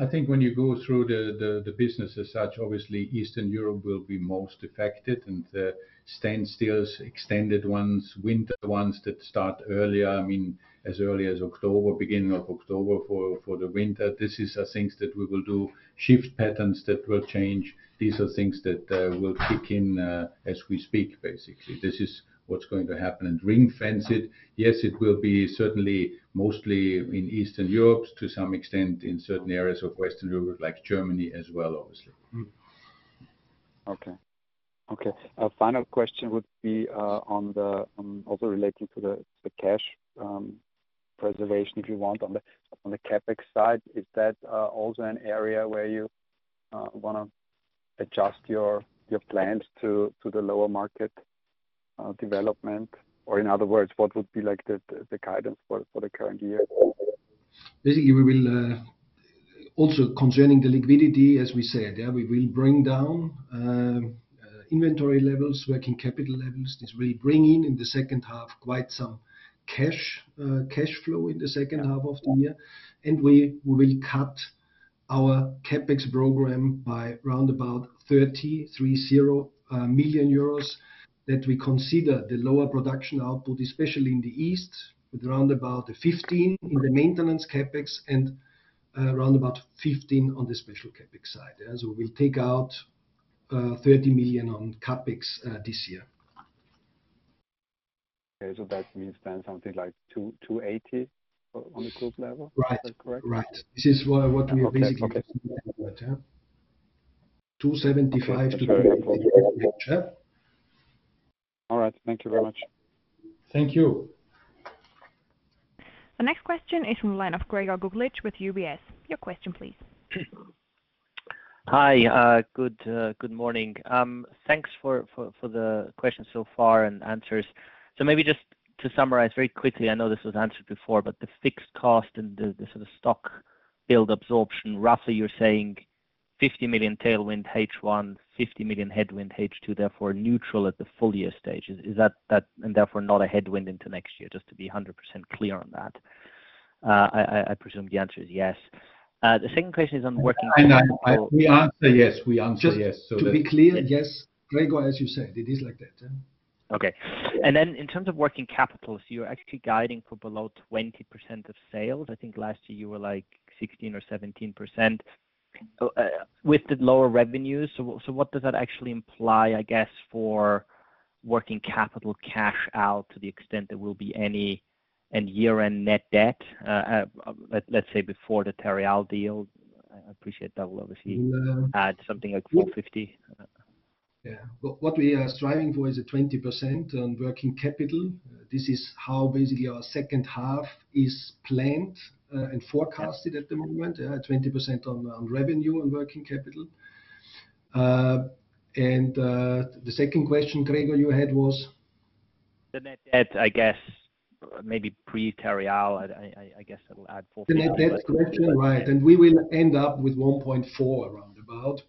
I think when you go through the, the, the business as such, obviously Eastern Europe will be most affected, and the standstills, extended ones, winter ones that start earlier, I mean, as early as October, beginning of October, for, for the winter. This is things that we will do. Shift patterns that will change, these are things that will kick in as we speak, basically. This is what's going to happen. Ring-fence it, yes, it will be certainly mostly in Eastern Europe, to some extent, in certain areas of Western Europe, like Germany as well, obviously. Mm-hmm. Okay. Okay, a final question would be, on the, also related to the, the cash, preservation, if you want, on the, on the CapEx side. Is that, also an area where you, want to adjust your, your plans to, to the lower market, development? Or in other words, what would be like the, the guidance for, for the current year? Basically, we will also concerning the liquidity, as we said, we will bring down inventory levels, working capital levels. This will bring in, in the second half, quite some cash flow in the second half of the year. We will cut our CapEx program by 30 million euros, that we consider the lower production output, especially in the east, with round about 15 million in the maintenance CapEx and around about 15 million on the special CapEx side. We'll take out 30 million on CapEx this year. Okay, that means then something like 280 million on a group level? Right. Is that correct? Right. This is what we basically— Okay, okay. Yeah. 275 million picture. All right. Thank you very much. Thank you. The next question is from the line of Gregor Kuglitsch with UBS. Your question, please. Hi, good, good morning. Thanks for, for, for the questions so far and answers. Maybe just to summarize very quickly, I know this was answered before, but the fixed cost and the, the sort of stock build absorption, roughly, you're saying 50 million tailwind H1, 50 million headwind H2, therefore neutral at the full year stage. Is that, and therefore not a headwind into next year? Just to be 100% clear on that. I, I, I presume the answer is yes. The second question is on working capital— I, we answer yes. We answer yes. Just to be clear, yes, Gregor, as you said, it is like that, yeah. Okay. Then in terms of working capital, you're actually guiding for below 20% of sales. I think last year you were like 16% or 17%. With the lower revenues, so what does that actually imply, I guess, for working capital cash out to the extent there will be any, and year-end net debt, let's say before the Terreal deal? I appreciate that will obviously add something like 450 million. Yeah. Well, what we are striving towards is a 20% on working capital. This is how basically our second half is planned and forecasted at the moment, 20% on, on revenue and working capital. The second question, Gregor, you had was? The net debt, I guess, maybe pre-Terreal, I, I, I guess it'll add 40— The net debt question, right, and we will end up with 1.4x, round about,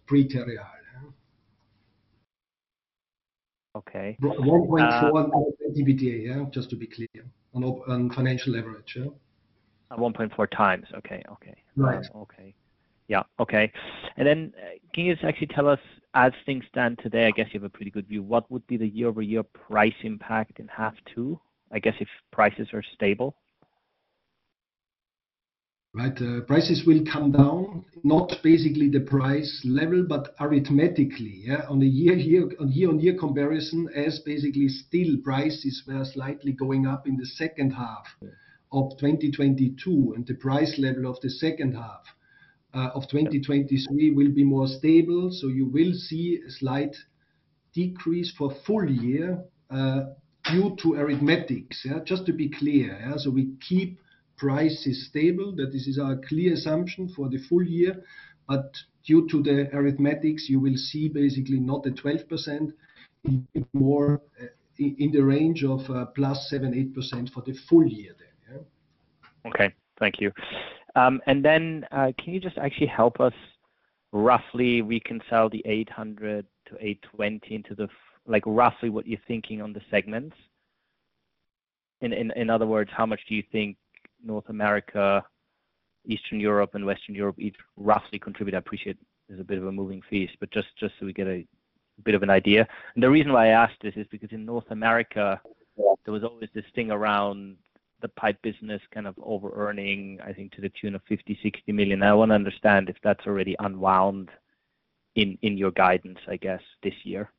pre-Terreal, yeah. Okay. 1.4 EBITDA, yeah, just to be clear, on, on financial leverage, yeah. At 1.4x. Okay, okay. Right. Okay. Yeah, okay. Then can you actually tell us, as things stand today, I guess you have a pretty good view, what would be the year-over-year price impact in half two? I guess, if prices are stable. Right. Prices will come down, not basically the price level, but arithmetically, yeah, on a year-on-year comparison, as basically still prices were slightly going up in the second half of 2022, and the price level of the second half of 2023 will be more stable. You will see a slight decrease for full year due to arithmetics, yeah? Just to be clear, yeah. We keep prices stable, that this is our clear assumption for the full year, but due to the arithmetics, you will see basically not the 12%, more in the range of +7%, +8% for the full year then, yeah. Okay. Thank you. Can you help us roughly reconcile the 800 million-820 million into roughly what you're thinking on the segments? How much do you think North America, Eastern Europe, and Western Europe each roughly contribute? I appreciate there's a bit of a moving feast, but so we get a bit of an idea. The reason why I ask this is because in North America there was always this thing around the pipe business kind of over-earning, I think, to the tune of 50 million-60 million. I wanna understand if that's already unwound in, in your guidance, I guess, this year.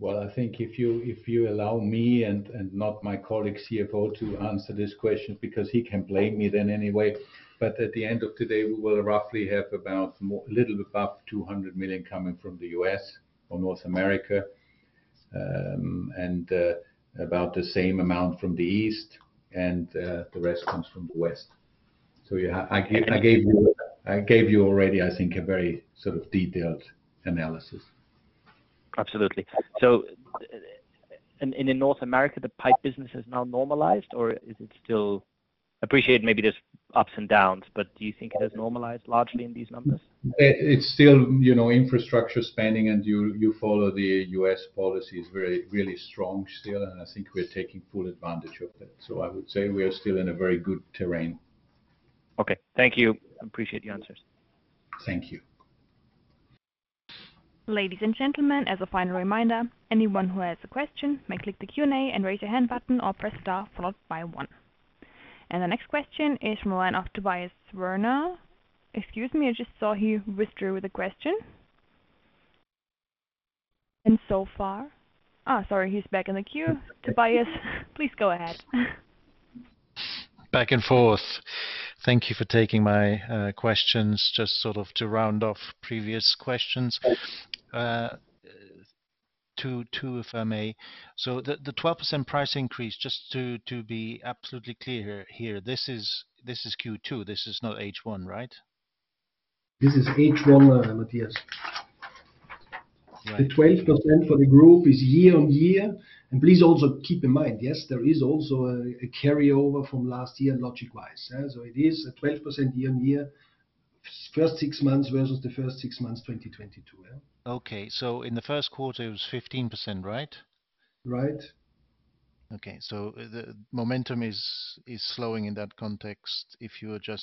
Well, I think if you, if you allow me and, and not my colleague, CFO, to answer this question, because he can blame me then anyway. At the end of today, we will roughly have about a little above 200 million coming from the U.S. or North America, and about the same amount from the East, and the rest comes from the West. Yeah, I gave you already, I think, a very sort of detailed analysis. Absolutely. In North America, the pipe business has now normalized, or is it still—I appreciate maybe there's ups and downs, but do you think it has normalized largely in these numbers? It's still, you know, infrastructure spending, and you follow the U.S. policy is very, really strong still, and I think we're taking full advantage of that. I would say we are still in a very good terrain. Okay. Thank you. I appreciate the answers. Thank you. Ladies and gentlemen, as a final reminder, anyone who has a question may click the Q&A and raise your hand button or press star followed by one. The next question is from line of Tobias Woerner. Excuse me, I just saw he withdrew the question. So far, ah, sorry, he's back in the queue. Tobias, please go ahead. Back and forth. Thank you for taking my questions, just sort of to round off previous questions. Two, if I may. The 12% price increase, just to be absolutely clear here, this is Q2, this is not H1, right? This is H1, Tobias. Right. The 12% for the group is year-on-year. Please also keep in mind, yes, there is also a carryover from last year, logic-wise, yeah? It is a 12% year-on-year, first six months versus the first six months, 2022, yeah. Okay. In the first quarter, it was 15%, right? Right. Okay, the momentum is slowing in that context. As I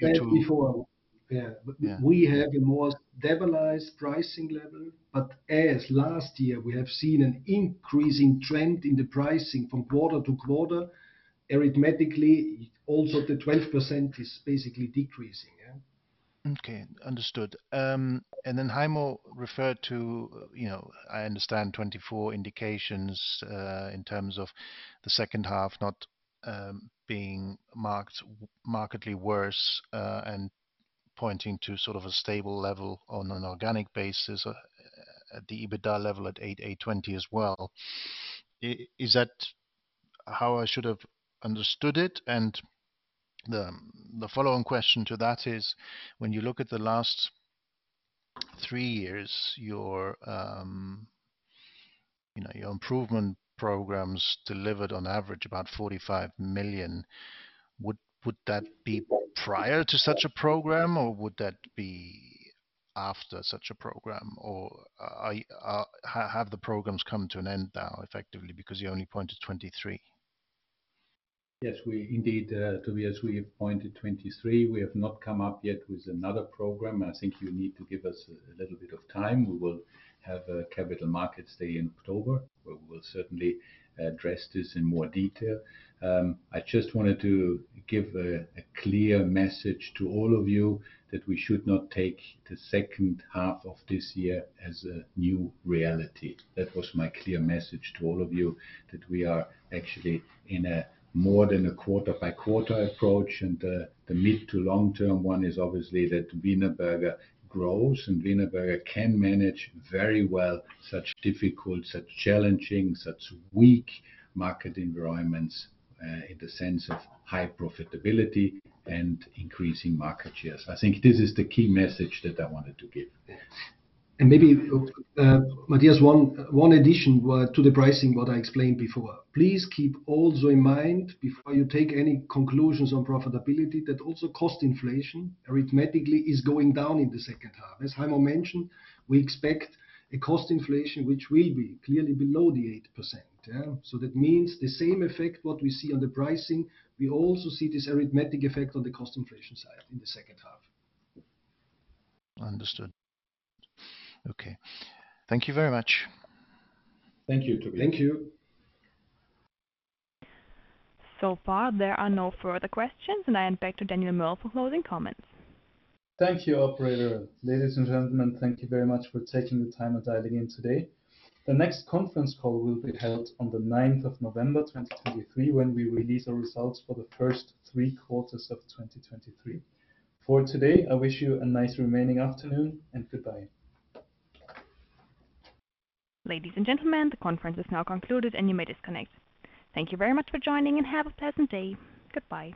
said before. Yeah. We have a more stabilized pricing level, but as last year, we have seen an increasing trend in the pricing from quarter-to-quarter. Arithmetically, also the 12% is basically decreasing, yeah? Okay, understood. Then Heimo referred to, you know, I understand 2024 indications, in terms of the second half not, being marked, markedly worse, and pointing to sort of a stable level on an organic basis, at the EBITDA level at 820 million as well. Is that how I should have understood it? The, the follow-on question to that is, when you look at the last three years, your you know, your improvement programs delivered on average about 45 million. Would, would that be prior to such a program, or would that be after such a program? Have the programs come to an end now, effectively, because you only pointed 2023? Yes, we indeed, Tobias, we have pointed 2023. We have not come up yet with another program. I think you need to give us a little bit of time. We will have a capital markets day in October, where we will certainly address this in more detail. I just wanted to give a, a clear message to all of you that we should not take the second half of this year as a new reality. That was my clear message to all of you, that we are actually in a more than a quarter-by-quarter approach, and the mid to long-term one is obviously that Wienerberger grows, and Wienerberger can manage very well such difficult, such challenging, such weak market environments, in the sense of high profitability and increasing market shares. I think this is the key message that I wanted to give. Maybe, Tobias, one, one addition to the pricing, what I explained before. Please keep also in mind, before you take any conclusions on profitability, that also cost inflation arithmetically is going down in the second half. As Heimo mentioned, we expect a cost inflation, which will be clearly below the 8%, yeah? That means the same effect, what we see on the pricing, we also see this arithmetic effect on the cost inflation side in the second half. Understood. Okay. Thank you very much. Thank you, Tobias. Thank you. Far, there are no further questions, and I hand back to Daniel Merl for closing comments. Thank you, operator. Ladies and gentlemen, thank you very much for taking the time and dialing in today. The next conference call will be held on the 9th of November, 2023, when we release our results for the first three quarters of 2023. For today, I wish you a nice remaining afternoon, and goodbye. Ladies and gentlemen, the conference is now concluded, and you may disconnect. Thank you very much for joining, and have a pleasant day. Goodbye.